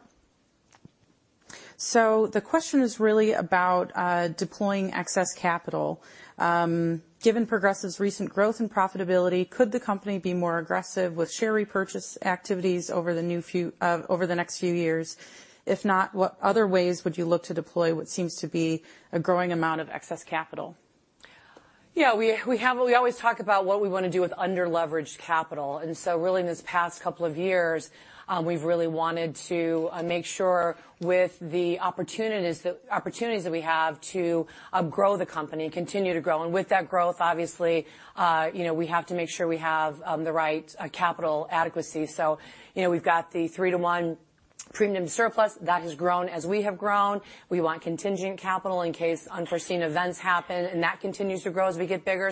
The question is really about deploying excess capital. Given Progressive's recent growth and profitability, could the company be more aggressive with share repurchase activities over the next few years? If not, what other ways would you look to deploy what seems to be a growing amount of excess capital? Yeah. We always talk about what we want to do with under-leveraged capital, really in this past couple of years, we've really wanted to make sure with the opportunities that we have to grow the company, continue to grow. With that growth, obviously, we have to make sure we have the right capital adequacy. We've got the 3 to 1 premium surplus that has grown as we have grown. We want contingent capital in case unforeseen events happen, and that continues to grow as we get bigger.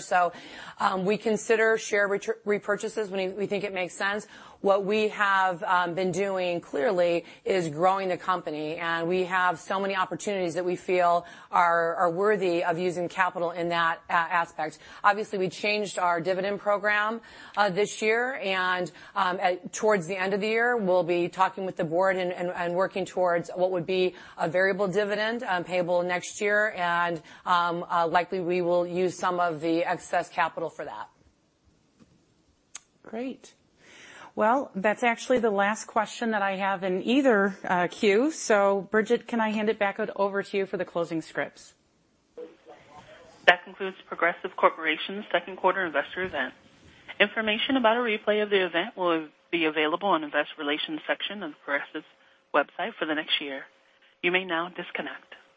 We consider share repurchases when we think it makes sense. What we have been doing, clearly, is growing the company, and we have so many opportunities that we feel are worthy of using capital in that aspect. Obviously, we changed our dividend program this year, towards the end of the year, we'll be talking with the board and working towards what would be a variable dividend payable next year. Likely, we will use some of the excess capital for that. Great. Well, that's actually the last question that I have in either queue. Bridget, can I hand it back over to you for the closing scripts? That concludes The Progressive Corporation's second quarter investor event. Information about a replay of the event will be available on investor relations section of Progressive's website for the next year. You may now disconnect.